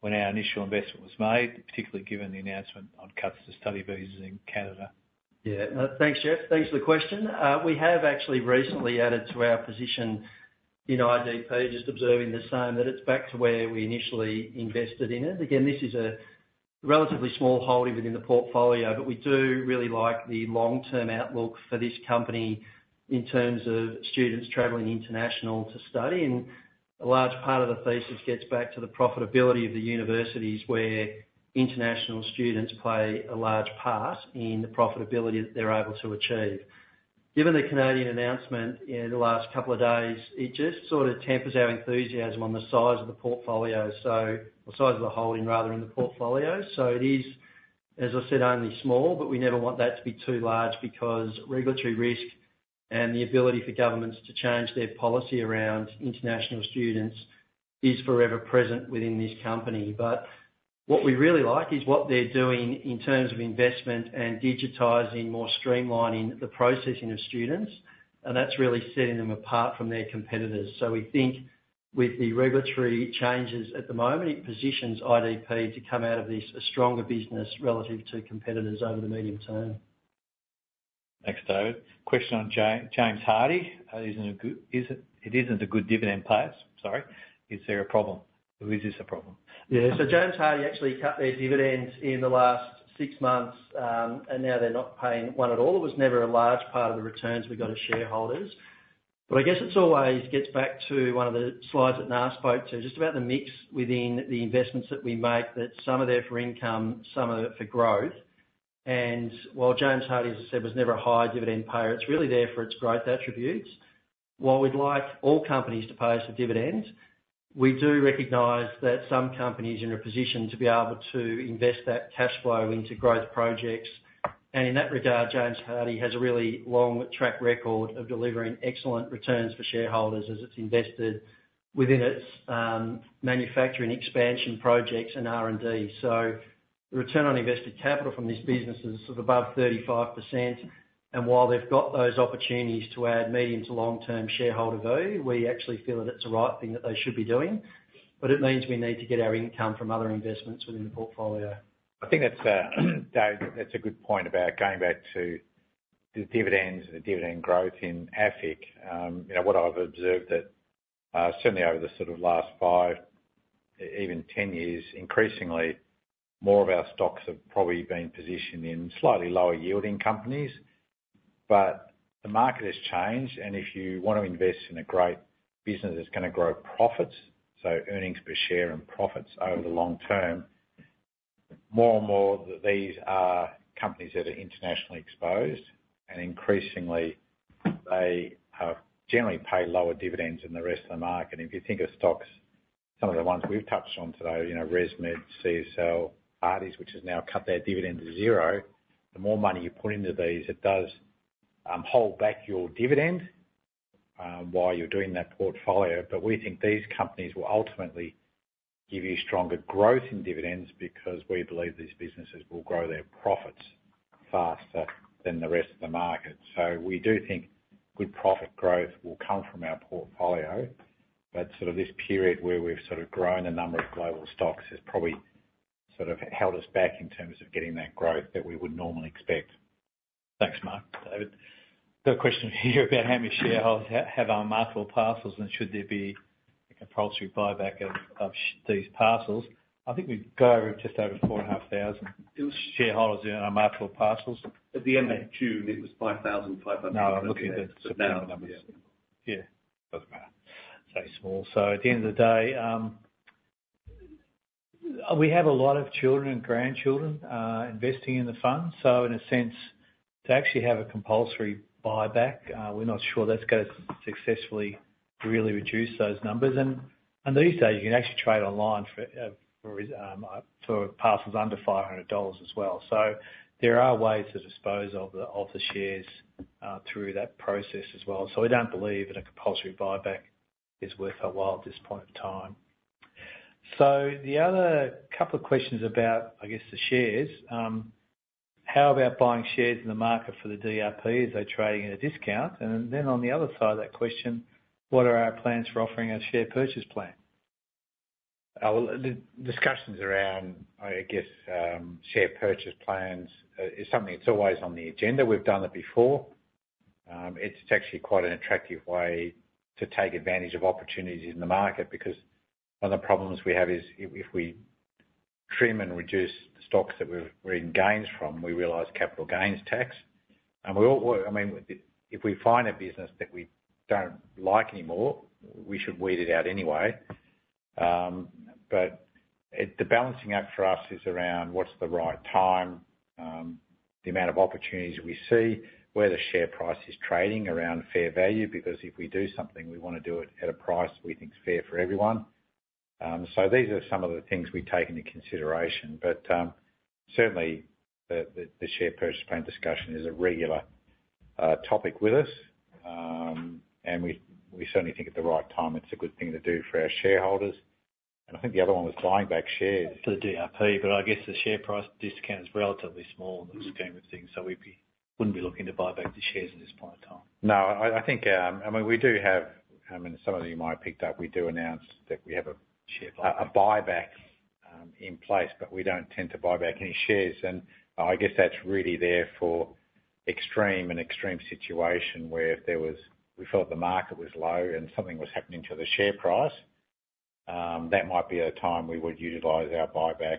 when our initial investment was made, particularly given the announcement on cuts to study visas in Canada? Yeah, thanks, Geoff. Thanks for the question. We have actually recently added to our position in IDP, just observing the same, that it's back to where we initially invested in it. Again, this is a relatively small holding within the portfolio, but we do really like the long-term outlook for this company in terms of students traveling international to study. And a large part of the thesis gets back to the profitability of the universities, where international students play a large part in the profitability that they're able to achieve. Given the Canadian announcement in the last couple of days, it just sort of tampers our enthusiasm on the size of the portfolio, so the size of the holding rather than the portfolio. So it is, as I said, only small, but we never want that to be too large because regulatory risk and the ability for governments to change their policy around international students is forever present within this company. But what we really like is what they're doing in terms of investment and digitizing, more streamlining the processing of students, and that's really setting them apart from their competitors. So we think with the regulatory changes at the moment, it positions IDP to come out of this a stronger business relative to competitors over the medium term. Thanks, David. Question on James Hardie. Isn't a good... Is it, it isn't a good dividend payer? Sorry, is there a problem, or is this a problem? Yeah, so James Hardie actually cut their dividends in the last six months, and now they're not paying one at all. It was never a large part of the returns we got to shareholders, but I guess it always gets back to one of the slides that Nga spoke to, just about the mix within the investments that we make, that some are there for income, some are for growth. While James Hardie, as I said, was never a high dividend payer, it's really there for its growth attributes. While we'd like all companies to pay us a dividend, we do recognize that some companies are in a position to be able to invest that cash flow into growth projects. In that regard, James Hardie has a really long track record of delivering excellent returns for shareholders as it's invested within its manufacturing expansion projects and R&D. The return on invested capital from this business is sort of above 35%, and while they've got those opportunities to add medium to long-term shareholder value, we actually feel that it's the right thing that they should be doing, but it means we need to get our income from other investments within the portfolio. I think that's, Dave, that's a good point about going back to the dividends and the dividend growth in AFIC. You know what? I've observed that, certainly over the sort of last five, even 10 years, increasingly more of our stocks have probably been positioned in slightly lower yielding companies. But the market has changed, and if you want to invest in a great business that's gonna grow profits, so earnings per share and profits over the long term, more and more, these are companies that are internationally exposed, and increasingly, they generally pay lower dividends than the rest of the market. If you think of stocks, some of the ones we've touched on today, you know, ResMed, CSL, Hardies, which has now cut their dividend to zero. The more money you put into these, it does hold back your dividend while you're doing that portfolio. But we think these companies will ultimately give you stronger growth in dividends because we believe these businesses will grow their profits faster than the rest of the market. So we do think good profit growth will come from our portfolio, but sort of this period where we've sort of grown a number of global stocks has probably sort of held us back in terms of getting that growth that we would normally expect. Thanks, Mark. So the question here about how many shareholders have unmarketable parcels, and should there be a compulsory buyback of these parcels? I think we've got just over 4,500 shareholders in unmarketable parcels. At the end of June, it was 5,500- No, I'm looking at the numbers. Yeah. Doesn't matter. It's very small. So at the end of the day, we have a lot of children and grandchildren investing in the fund. So in a sense, to actually have a compulsory buyback, we're not sure that's going to successfully really reduce those numbers. And these days, you can actually trade online for parcels under 500 dollars as well. So there are ways to dispose of the shares through that process as well. So we don't believe that a compulsory buyback is worth our while at this point in time. So the other couple of questions about, I guess, the shares, how about buying shares in the market for the DRP? Is there trading at a discount? And then on the other side of that question, what are our plans for offering a Share Purchase Plan? Well, the discussions around, I guess, share purchase plans is something that's always on the agenda. We've done it before. It's actually quite an attractive way to take advantage of opportunities in the market, because one of the problems we have is if we trim and reduce the stocks that we've, we're in gains from, we realize capital gains tax, and I mean, if we find a business that we don't like anymore, we should weed it out anyway. But it, the balancing act for us is around what's the right time, the amount of opportunities we see, where the share price is trading around fair value, because if we do something, we wanna do it at a price we think is fair for everyone. So these are some of the things we take into consideration, but certainly the Share Purchase Plan discussion is a regular topic with us. And we certainly think at the right time, it's a good thing to do for our shareholders. And I think the other one was buying back shares. For the DRP, but I guess the share price discount is relatively small in the scheme of things, so we wouldn't be looking to buy back the shares at this point in time. No, I think, I mean, we do have, I mean, some of you might have picked up, we do announce that we have a- Share buyback... a buyback, in place, but we don't tend to buy back any shares. I guess that's really there for extreme and extreme situation, where if there was, we felt the market was low and something was happening to the share price, that might be a time we would utilize our buyback.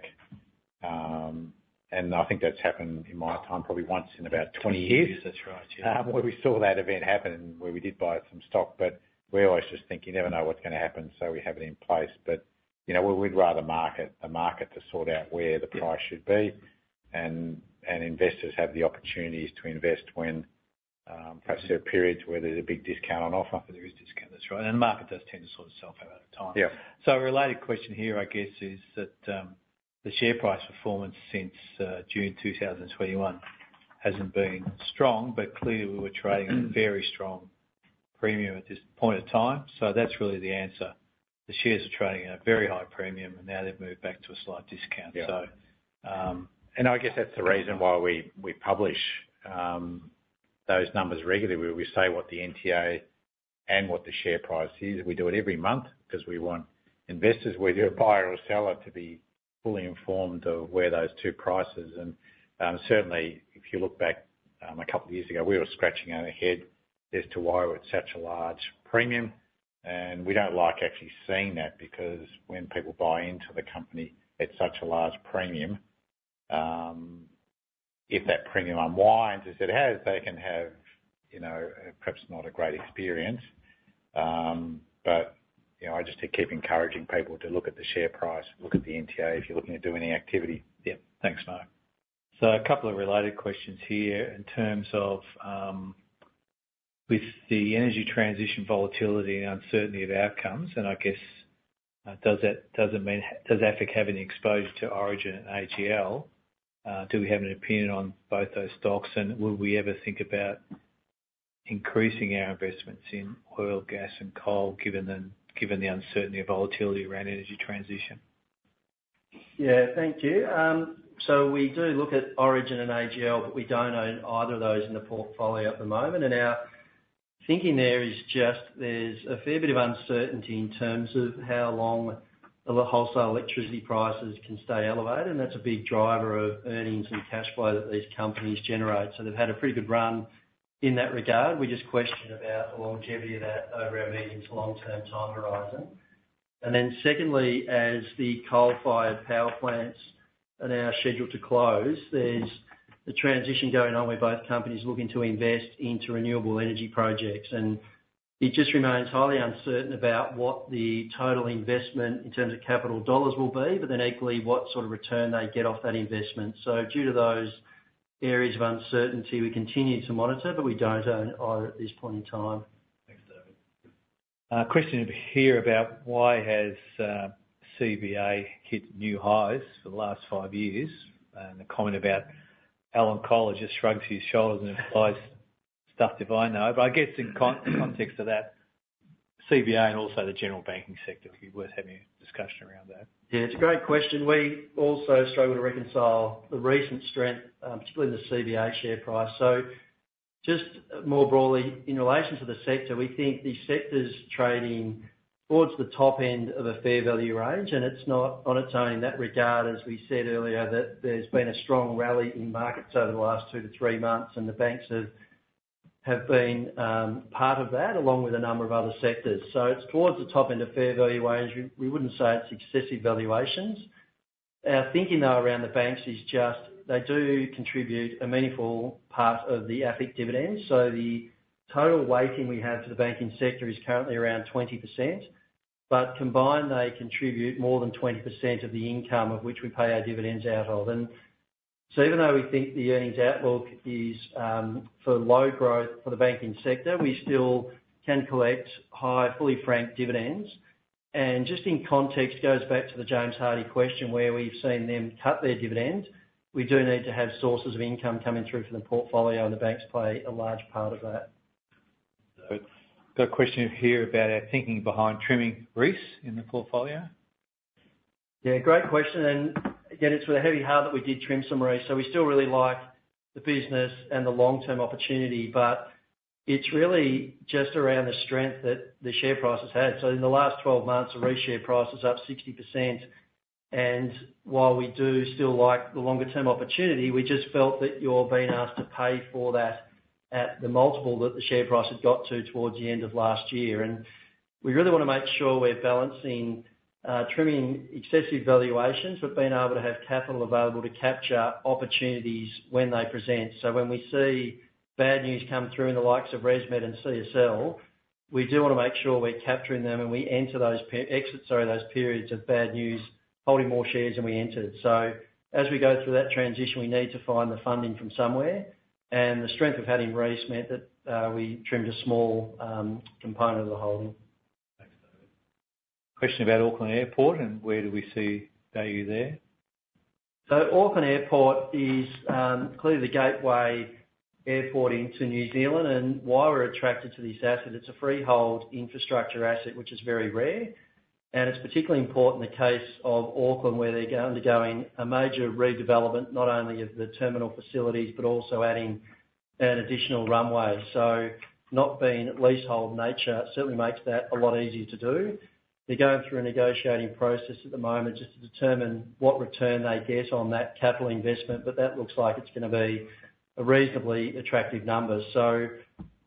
I think that's happened in my time, probably once in about 20 years. 20 years, that's right, yeah. Where we saw that event happen, and where we did buy some stock, but we always just think you never know what's gonna happen, so we have it in place. But, you know, we would rather market, the market to sort out where the price should be. And investors have the opportunities to invest when, perhaps there are periods where there's a big discount on offer. There is a discount, that's right. The market does tend to sort itself out over time. Yeah. So a related question here, I guess, is that, the share price performance since June 2021 hasn't been strong, but clearly we were trading at a very strong premium at this point in time. So that's really the answer. The shares are trading at a very high premium, and now they've moved back to a slight discount. Yeah. So, um- I guess that's the reason why we publish those numbers regularly, where we say what the NTA and what the share price is. We do it every month, 'cause we want investors, whether you're a buyer or seller, to be fully informed of where those two prices... Certainly, if you look back a couple of years ago, we were scratching our head as to why we're at such a large premium. And we don't like actually seeing that, because when people buy into the company at such a large premium, if that premium unwinds, as it has, they can have, you know, perhaps not a great experience. But, you know, I just keep encouraging people to look at the share price, look at the NTA, if you're looking to do any activity. Yeah. Thanks, Mark. So a couple of related questions here in terms of with the energy transition volatility and uncertainty of outcomes, and I guess, does that, does it mean—does AFIC have any exposure to Origin and AGL? Do we have an opinion on both those stocks, and will we ever think about increasing our investments in oil, gas, and coal, given the uncertainty and volatility around energy transition? Yeah, thank you. So we do look at Origin and AGL, but we don't own either of those in the portfolio at the moment. And our thinking there is just, there's a fair bit of uncertainty in terms of how long the wholesale electricity prices can stay elevated, and that's a big driver of earnings and cash flow that these companies generate. So they've had a pretty good run in that regard. We just question about the longevity of that over a medium to long-term time horizon. And then secondly, as the coal-fired power plants are now scheduled to close, there's a transition going on with both companies looking to invest into renewable energy projects. And it just remains highly uncertain about what the total investment in terms of capital dollars will be, but then equally, what sort of return they'd get off that investment. Due to those areas of uncertainty, we continue to monitor, but we don't own either at this point in time. Thanks, David. Question here about why has CBA hit new highs for the last five years? And a comment about Alan Kohler just shrugs his shoulders and replies, "Stuff if I know." But I guess in context of that, CBA and also the general banking sector, it would be worth having a discussion around that. Yeah, it's a great question. We also struggle to reconcile the recent strength, particularly in the CBA share price. So just more broadly, in relation to the sector, we think the sector's trading towards the top end of a fair value range, and it's not on its own in that regard, as we said earlier, that there's been a strong rally in markets over the last two to three months, and the banks have, have been, part of that, along with a number of other sectors. So it's towards the top end of fair value range. We, we wouldn't say it's excessive valuations. Our thinking, though, around the banks is just they do contribute a meaningful part of the AFIC dividends. So the total weighting we have to the banking sector is currently around 20%, but combined, they contribute more than 20% of the income of which we pay our dividends out of. And so even though we think the earnings outlook is, for low growth for the banking sector, we still can collect high, fully franked dividends. And just in context, goes back to the James Hardie question, where we've seen them cut their dividends. We do need to have sources of income coming through from the portfolio, and the banks play a large part of that. Got a question here about our thinking behind trimming Reece in the portfolio. Yeah, great question, and again, it's with a heavy heart that we did trim some Reece. So we still really like the business and the long-term opportunity, but it's really just around the strength that the share price has had. So in the last 12 months, the Reece share price is up 60%. And while we do still like the longer term opportunity, we just felt that you're being asked to pay for that at the multiple that the share price had got to towards the end of last year. And we really want to make sure we're balancing trimming excessive valuations, but being able to have capital available to capture opportunities when they present. So when we see bad news come through in the likes of ResMed and CSL-... We do wanna make sure we're capturing them, and we enter those periods of bad news, holding more shares than we entered. So as we go through that transition, we need to find the funding from somewhere, and the strength of having Reece meant that we trimmed a small component of the holding. Thanks, David. Question about Auckland Airport, and where do we see value there? So Auckland Airport is clearly the gateway airport into New Zealand, and why we're attracted to this asset, it's a freehold infrastructure asset, which is very rare. And it's particularly important in the case of Auckland, where they're undergoing a major redevelopment, not only of the terminal facilities, but also adding an additional runway. So not being leasehold nature, certainly makes that a lot easier to do. They're going through a negotiating process at the moment, just to determine what return they get on that capital investment, but that looks like it's gonna be a reasonably attractive number. So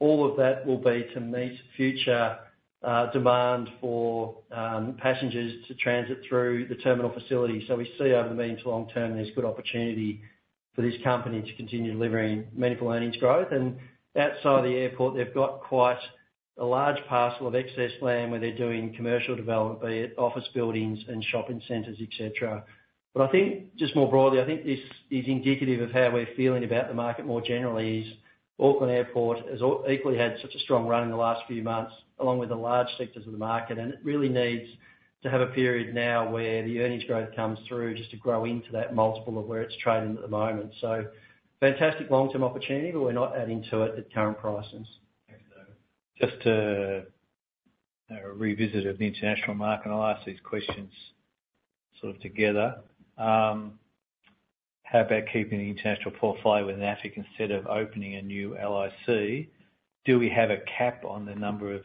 all of that will be to meet future demand for passengers to transit through the terminal facility. So we see over the medium to long term, there's good opportunity for this company to continue delivering meaningful earnings growth. Outside the airport, they've got quite a large parcel of excess land where they're doing commercial development, be it office buildings and shopping centers, et cetera. But I think, just more broadly, I think this is indicative of how we're feeling about the market more generally, is Auckland Airport has equally had such a strong run in the last few months, along with the large sectors of the market, and it really needs to have a period now where the earnings growth comes through, just to grow into that multiple of where it's trading at the moment. So fantastic long-term opportunity, but we're not adding to it at current prices. Thanks, Dave. Just to revisit the international market, and I'll ask these questions sort of together. How about keeping the international portfolio with AFIC instead of opening a new LIC? Do we have a cap on the number of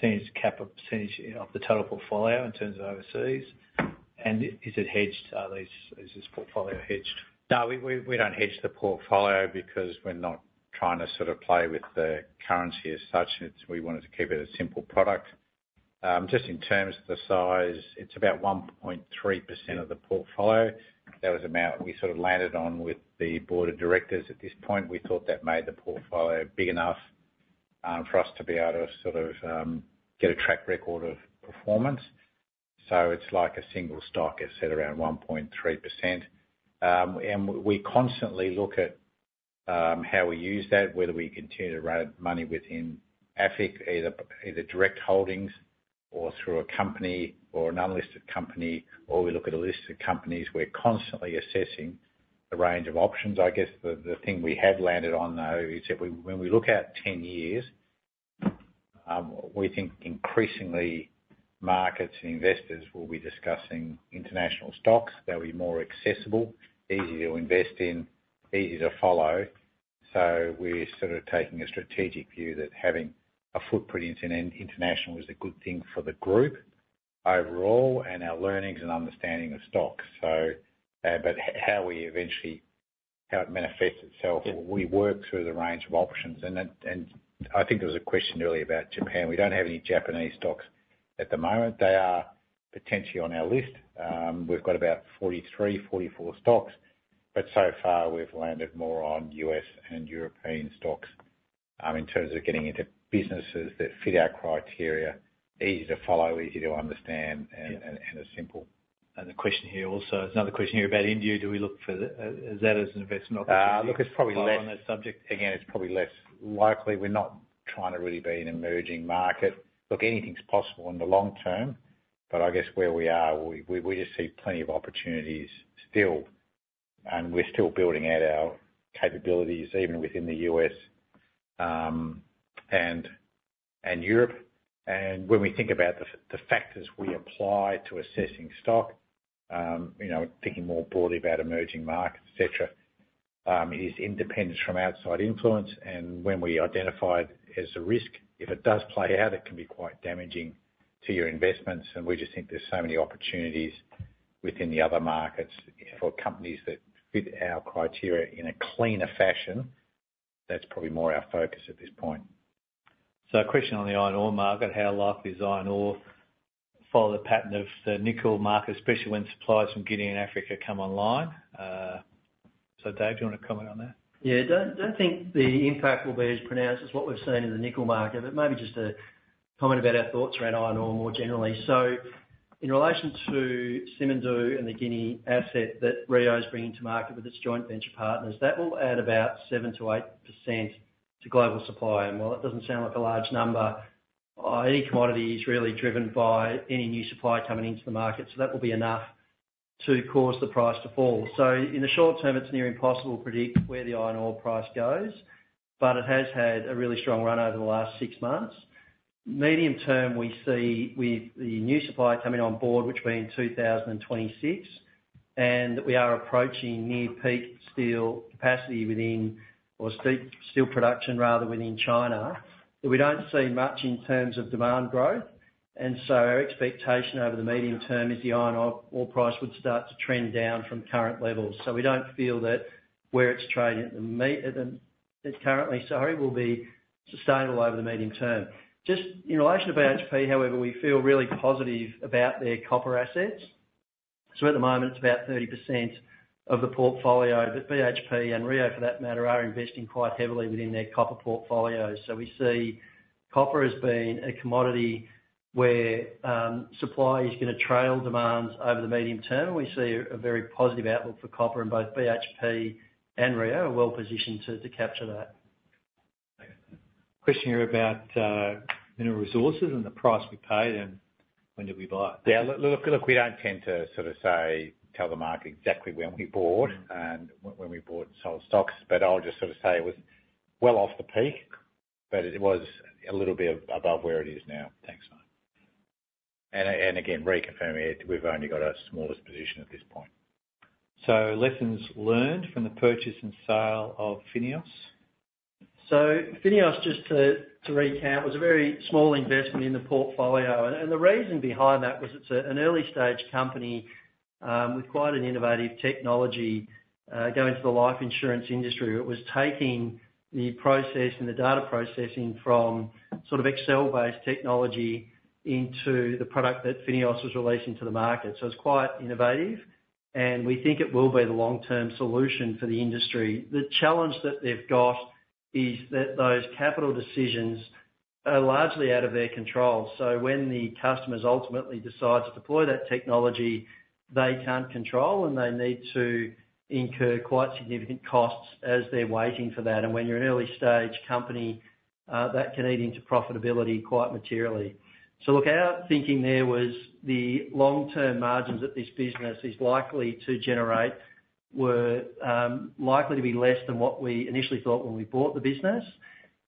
percentage cap, or percentage of the total portfolio in terms of overseas? And is it hedged, are these- is this portfolio hedged? No, we don't hedge the portfolio, because we're not trying to sort of play with the currency as such. We wanted to keep it a simple product. Just in terms of the size, it's about 1.3% of the portfolio. That was the amount we sort of landed on with the Board of Directors. At this point, we thought that made the portfolio big enough for us to be able to sort of get a track record of performance. So it's like a single stock, it's at around 1.3%. And we constantly look at how we use that, whether we continue to run money within AFIC, either direct holdings or through a company, or an unlisted company, or we look at a list of companies. We're constantly assessing the range of options. I guess the thing we have landed on, though, is when we look out 10 years, we think increasingly, markets and investors will be discussing international stocks. They'll be more accessible, easy to invest in, easy to follow. So we're sort of taking a strategic view that having a footprint in international is a good thing for the group overall, and our learnings and understanding of stocks. So, but how we eventually... how it manifests itself, we work through the range of options. And then I think there was a question earlier about Japan. We don't have any Japanese stocks at the moment. They are potentially on our list. We've got about 43-44 stocks, but so far we've landed more on U.S. and European stocks, in terms of getting into businesses that fit our criteria, easy to follow, easy to understand, and are simple. The question here also, there's another question here about India. Do we look for, is that as an investment opportunity? Look, it's probably less- While on that subject. Again, it's probably less likely. We're not trying to really be an emerging market. Look, anything's possible in the long term, but I guess where we are, we just see plenty of opportunities still, and we're still building out our capabilities, even within the U.S., and Europe. And when we think about the factors we apply to assessing stock, you know, thinking more broadly about emerging markets, et cetera, is independence from outside influence. And when we identify it as a risk, if it does play out, it can be quite damaging to your investments, and we just think there's so many opportunities within the other markets for companies that fit our criteria in a cleaner fashion. That's probably more our focus at this point. A question on the iron ore market: How likely does iron ore follow the pattern of the nickel market, especially when supplies from Guinea and Africa come online? So, Dave, do you want to comment on that? Yeah. Don't, don't think the impact will be as pronounced as what we've seen in the nickel market, but maybe just to comment about our thoughts around iron ore more generally. So in relation to Simandou and the Guinea asset that Rio is bringing to market with its joint venture partners, that will add about 7%-8% to global supply. And while that doesn't sound like a large number, any commodity is really driven by any new supply coming into the market, so that will be enough to cause the price to fall. So in the short term, it's near impossible to predict where the iron ore price goes, but it has had a really strong run over the last six months. Medium term, we see with the new supply coming on board, which will be in 2026, and we are approaching near peak steel capacity within China or steel production, rather, within China, that we don't see much in terms of demand growth. So our expectation over the medium term is the iron ore price would start to trend down from current levels. So we don't feel that where it's trading at the moment, currently, sorry, will be sustainable over the medium term. Just in relation to BHP, however, we feel really positive about their copper assets. So at the moment, it's about 30% of the portfolio, but BHP and Rio, for that matter, are investing quite heavily within their copper portfolio. So we see copper as being a commodity where supply is gonna trail demands over the medium term. We see a very positive outlook for copper, and both BHP and Rio are well positioned to capture that. Question here about Mineral Resources and the price we paid, and when did we buy? Yeah, look, we don't tend to sort of say, tell the market exactly when we bought, and when we bought and sold stocks, but I'll just sort of say it was well off the peak, but it was a little bit above where it is now. Thanks, Mark. Again, reconfirming it, we've only got our smallest position at this point. Lessons learned from the purchase and sale of FINEOS? So FINEOS, just to recap, was a very small investment in the portfolio. And the reason behind that was it's an early stage company with quite an innovative technology going into the life insurance industry. It was taking the process and the data processing from sort of Excel-based technology into the product that FINEOS was releasing to the market. So it's quite innovative, and we think it will be the long-term solution for the industry. The challenge that they've got is that those capital decisions are largely out of their control. So when the customers ultimately decide to deploy that technology, they can't control, and they need to incur quite significant costs as they're waiting for that. And when you're an early stage company, that can eat into profitability quite materially. So look, our thinking there was the long-term margins that this business is likely to generate were likely to be less than what we initially thought when we bought the business.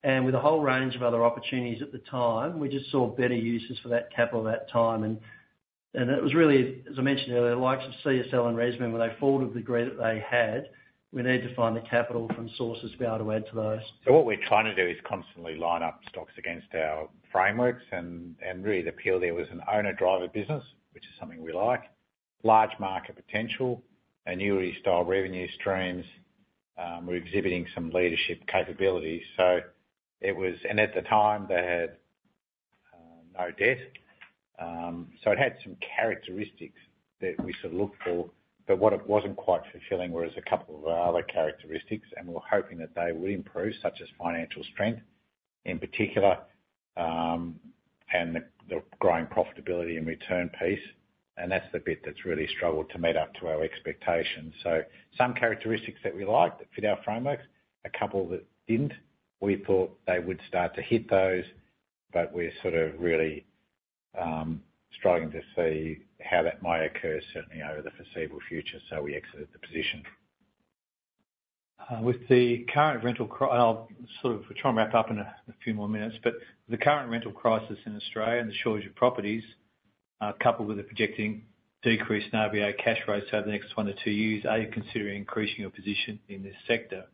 And with a whole range of other opportunities at the time, we just saw better uses for that capital at that time, and, and it was really, as I mentioned earlier, the likes of CSL and ResMed, when they folded the grid that they had, we needed to find the capital from sources to be able to add to those. So what we're trying to do is constantly line up stocks against our frameworks, and really the appeal there was an owner-driver business, which is something we like. Large market potential, annuity-style revenue streams, we're exhibiting some leadership capabilities. So it was, and at the time, they had no debt, so it had some characteristics that we sort of look for, but what it wasn't quite fulfilling was a couple of our other characteristics, and we were hoping that they would improve, such as financial strength in particular, and the growing profitability and return piece, and that's the bit that's really struggled to meet up to our expectations. So some characteristics that we liked that fit our frameworks, a couple that didn't. We thought they would start to hit those, but we're sort of really, struggling to see how that might occur, certainly over the foreseeable future, so we exited the position. With the current rental crisis, sort of, we're trying to wrap up in a few more minutes, but the current rental crisis in Australia and the shortage of properties, coupled with a projecting decrease in RBA cash flows over the next one to two years, are you considering increasing your position in this sector?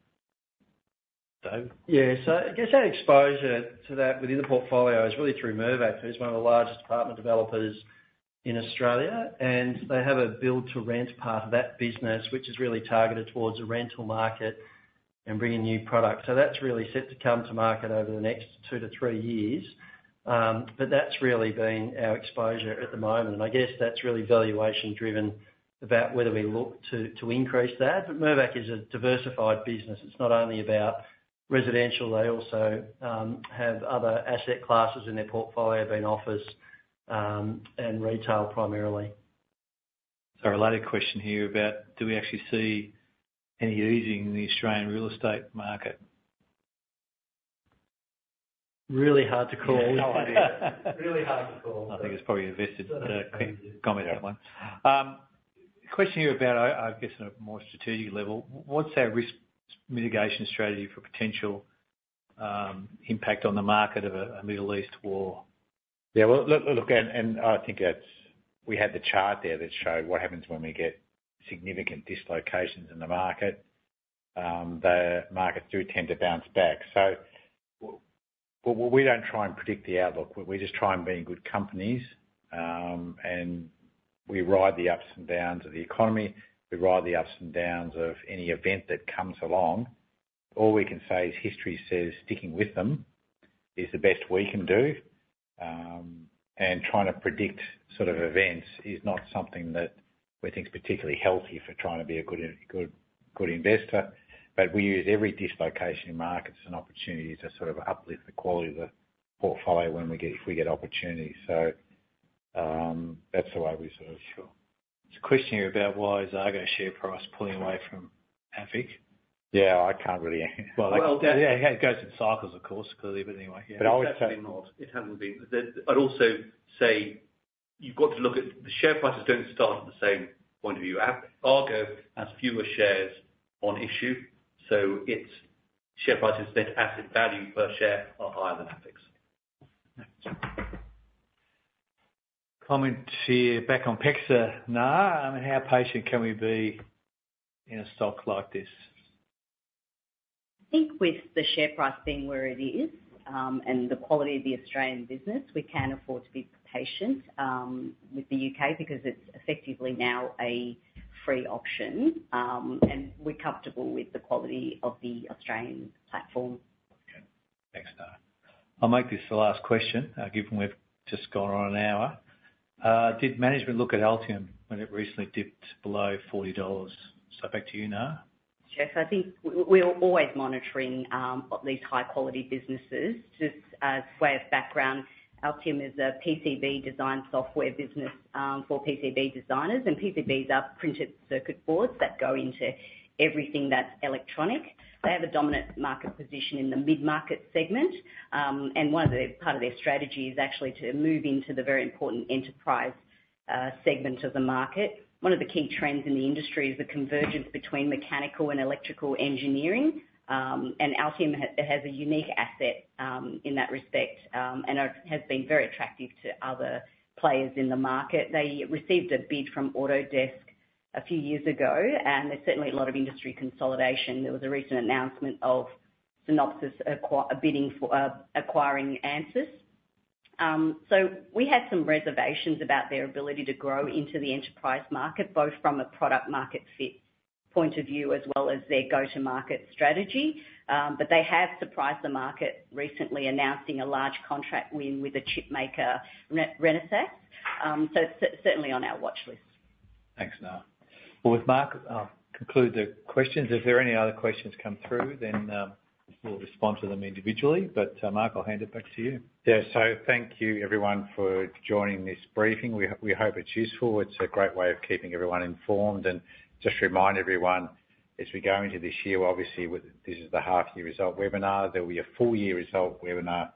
Dave? Yeah. So I guess our exposure to that within the portfolio is really through Mirvac, who's one of the largest apartment developers in Australia, and they have a build-to-rent part of that business, which is really targeted towards the rental market and bringing new products. So that's really set to come to market over the next two to three years. But that's really been our exposure at the moment, and I guess that's really valuation driven about whether we look to increase that. But Mirvac is a diversified business. It's not only about residential. They also have other asset classes in their portfolio, being office, and retail, primarily. A related question here about: do we actually see any easing in the Australian real estate market? Really hard to call. Yeah, no idea. Really hard to call. I think it's probably invested, comment on that one. Question here about, I guess, on a more strategic level, what's our risk mitigation strategy for potential impact on the market of a Middle East war? Yeah, well, look, and I think that's... We had the chart there that showed what happens when we get significant dislocations in the market. The markets do tend to bounce back. So well, we don't try and predict the outlook. We just try and be in good companies, and we ride the ups and downs of the economy, we ride the ups and downs of any event that comes along. All we can say is history says sticking with them is the best we can do, and trying to predict sort of events is not something that we think is particularly healthy for trying to be a good investor. But we use every dislocation in markets as an opportunity to sort of uplift the quality of the portfolio when we get, if we get opportunities. So, that's the way we sort of... Sure. There's a question here about why is Argo share price pulling away from AFIC? Yeah, I can't really... Well, yeah, it goes in cycles, of course, clearly, but anyway, yeah. But I would say- It's definitely not. It hasn't been... I'd also say you've got to look at, the share prices don't start at the same point of view. Argo has fewer shares on issue, so its share price is net asset value per share are higher than AFIC's. Comment here, back on PEXA, Nga. I mean, how patient can we be in a stock like this? I think with the share price being where it is, and the quality of the Australian business, we can afford to be patient, with the U.K., because it's effectively now a free option. And we're comfortable with the quality of the Australian platform.... Thanks, Nga. I'll make this the last question, given we've just gone on an hour. Did management look at Altium when it recently dipped below 40 dollars? So back to you, Nga. Yes, I think we're always monitoring these high quality businesses. Just as way of background, Altium is a PCB design software business for PCB designers, and PCBs are printed circuit boards that go into everything that's electronic. They have a dominant market position in the mid-market segment, and one of their part of their strategy is actually to move into the very important enterprise segment of the market. One of the key trends in the industry is the convergence between mechanical and electrical engineering, and Altium has a unique asset in that respect, and has been very attractive to other players in the market. They received a bid from Autodesk a few years ago, and there's certainly a lot of industry consolidation. There was a recent announcement of Synopsys bidding for acquiring Ansys. So we had some reservations about their ability to grow into the enterprise market, both from a product market fit point of view, as well as their go-to-market strategy. But they have surprised the market recently, announcing a large contract win with a chip maker, Renesas. So it's certainly on our watchlist. Thanks, Nga. Well, with Mark, I'll conclude the questions. If there are any other questions come through, then, we'll respond to them individually. But, Mark, I'll hand it back to you. Yeah, so thank you everyone for joining this briefing. We hope it's useful. It's a great way of keeping everyone informed, and just remind everyone, as we go into this year, obviously, this is the half year result webinar. There will be a full year result webinar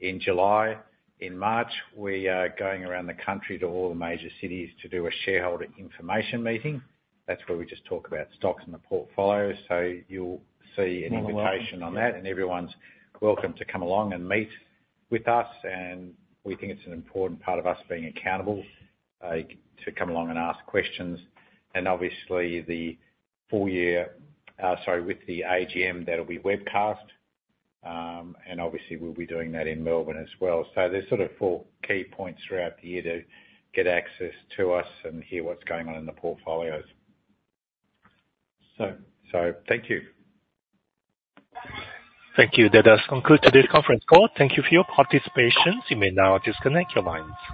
in July. In March, we are going around the country to all the major cities to do a shareholder information meeting. That's where we just talk about stocks in the portfolio, so you'll see an invitation on that, and everyone's welcome to come along and meet with us, and we think it's an important part of us being accountable, to come along and ask questions. And obviously, the full year, sorry, with the AGM, that'll be webcast. And obviously we'll be doing that in Melbourne as well. So there's sort of four key points throughout the year to get access to us and hear what's going on in the portfolios. So, so thank you. Thank you. That does conclude today's conference call. Thank you for your participation. You may now disconnect your lines.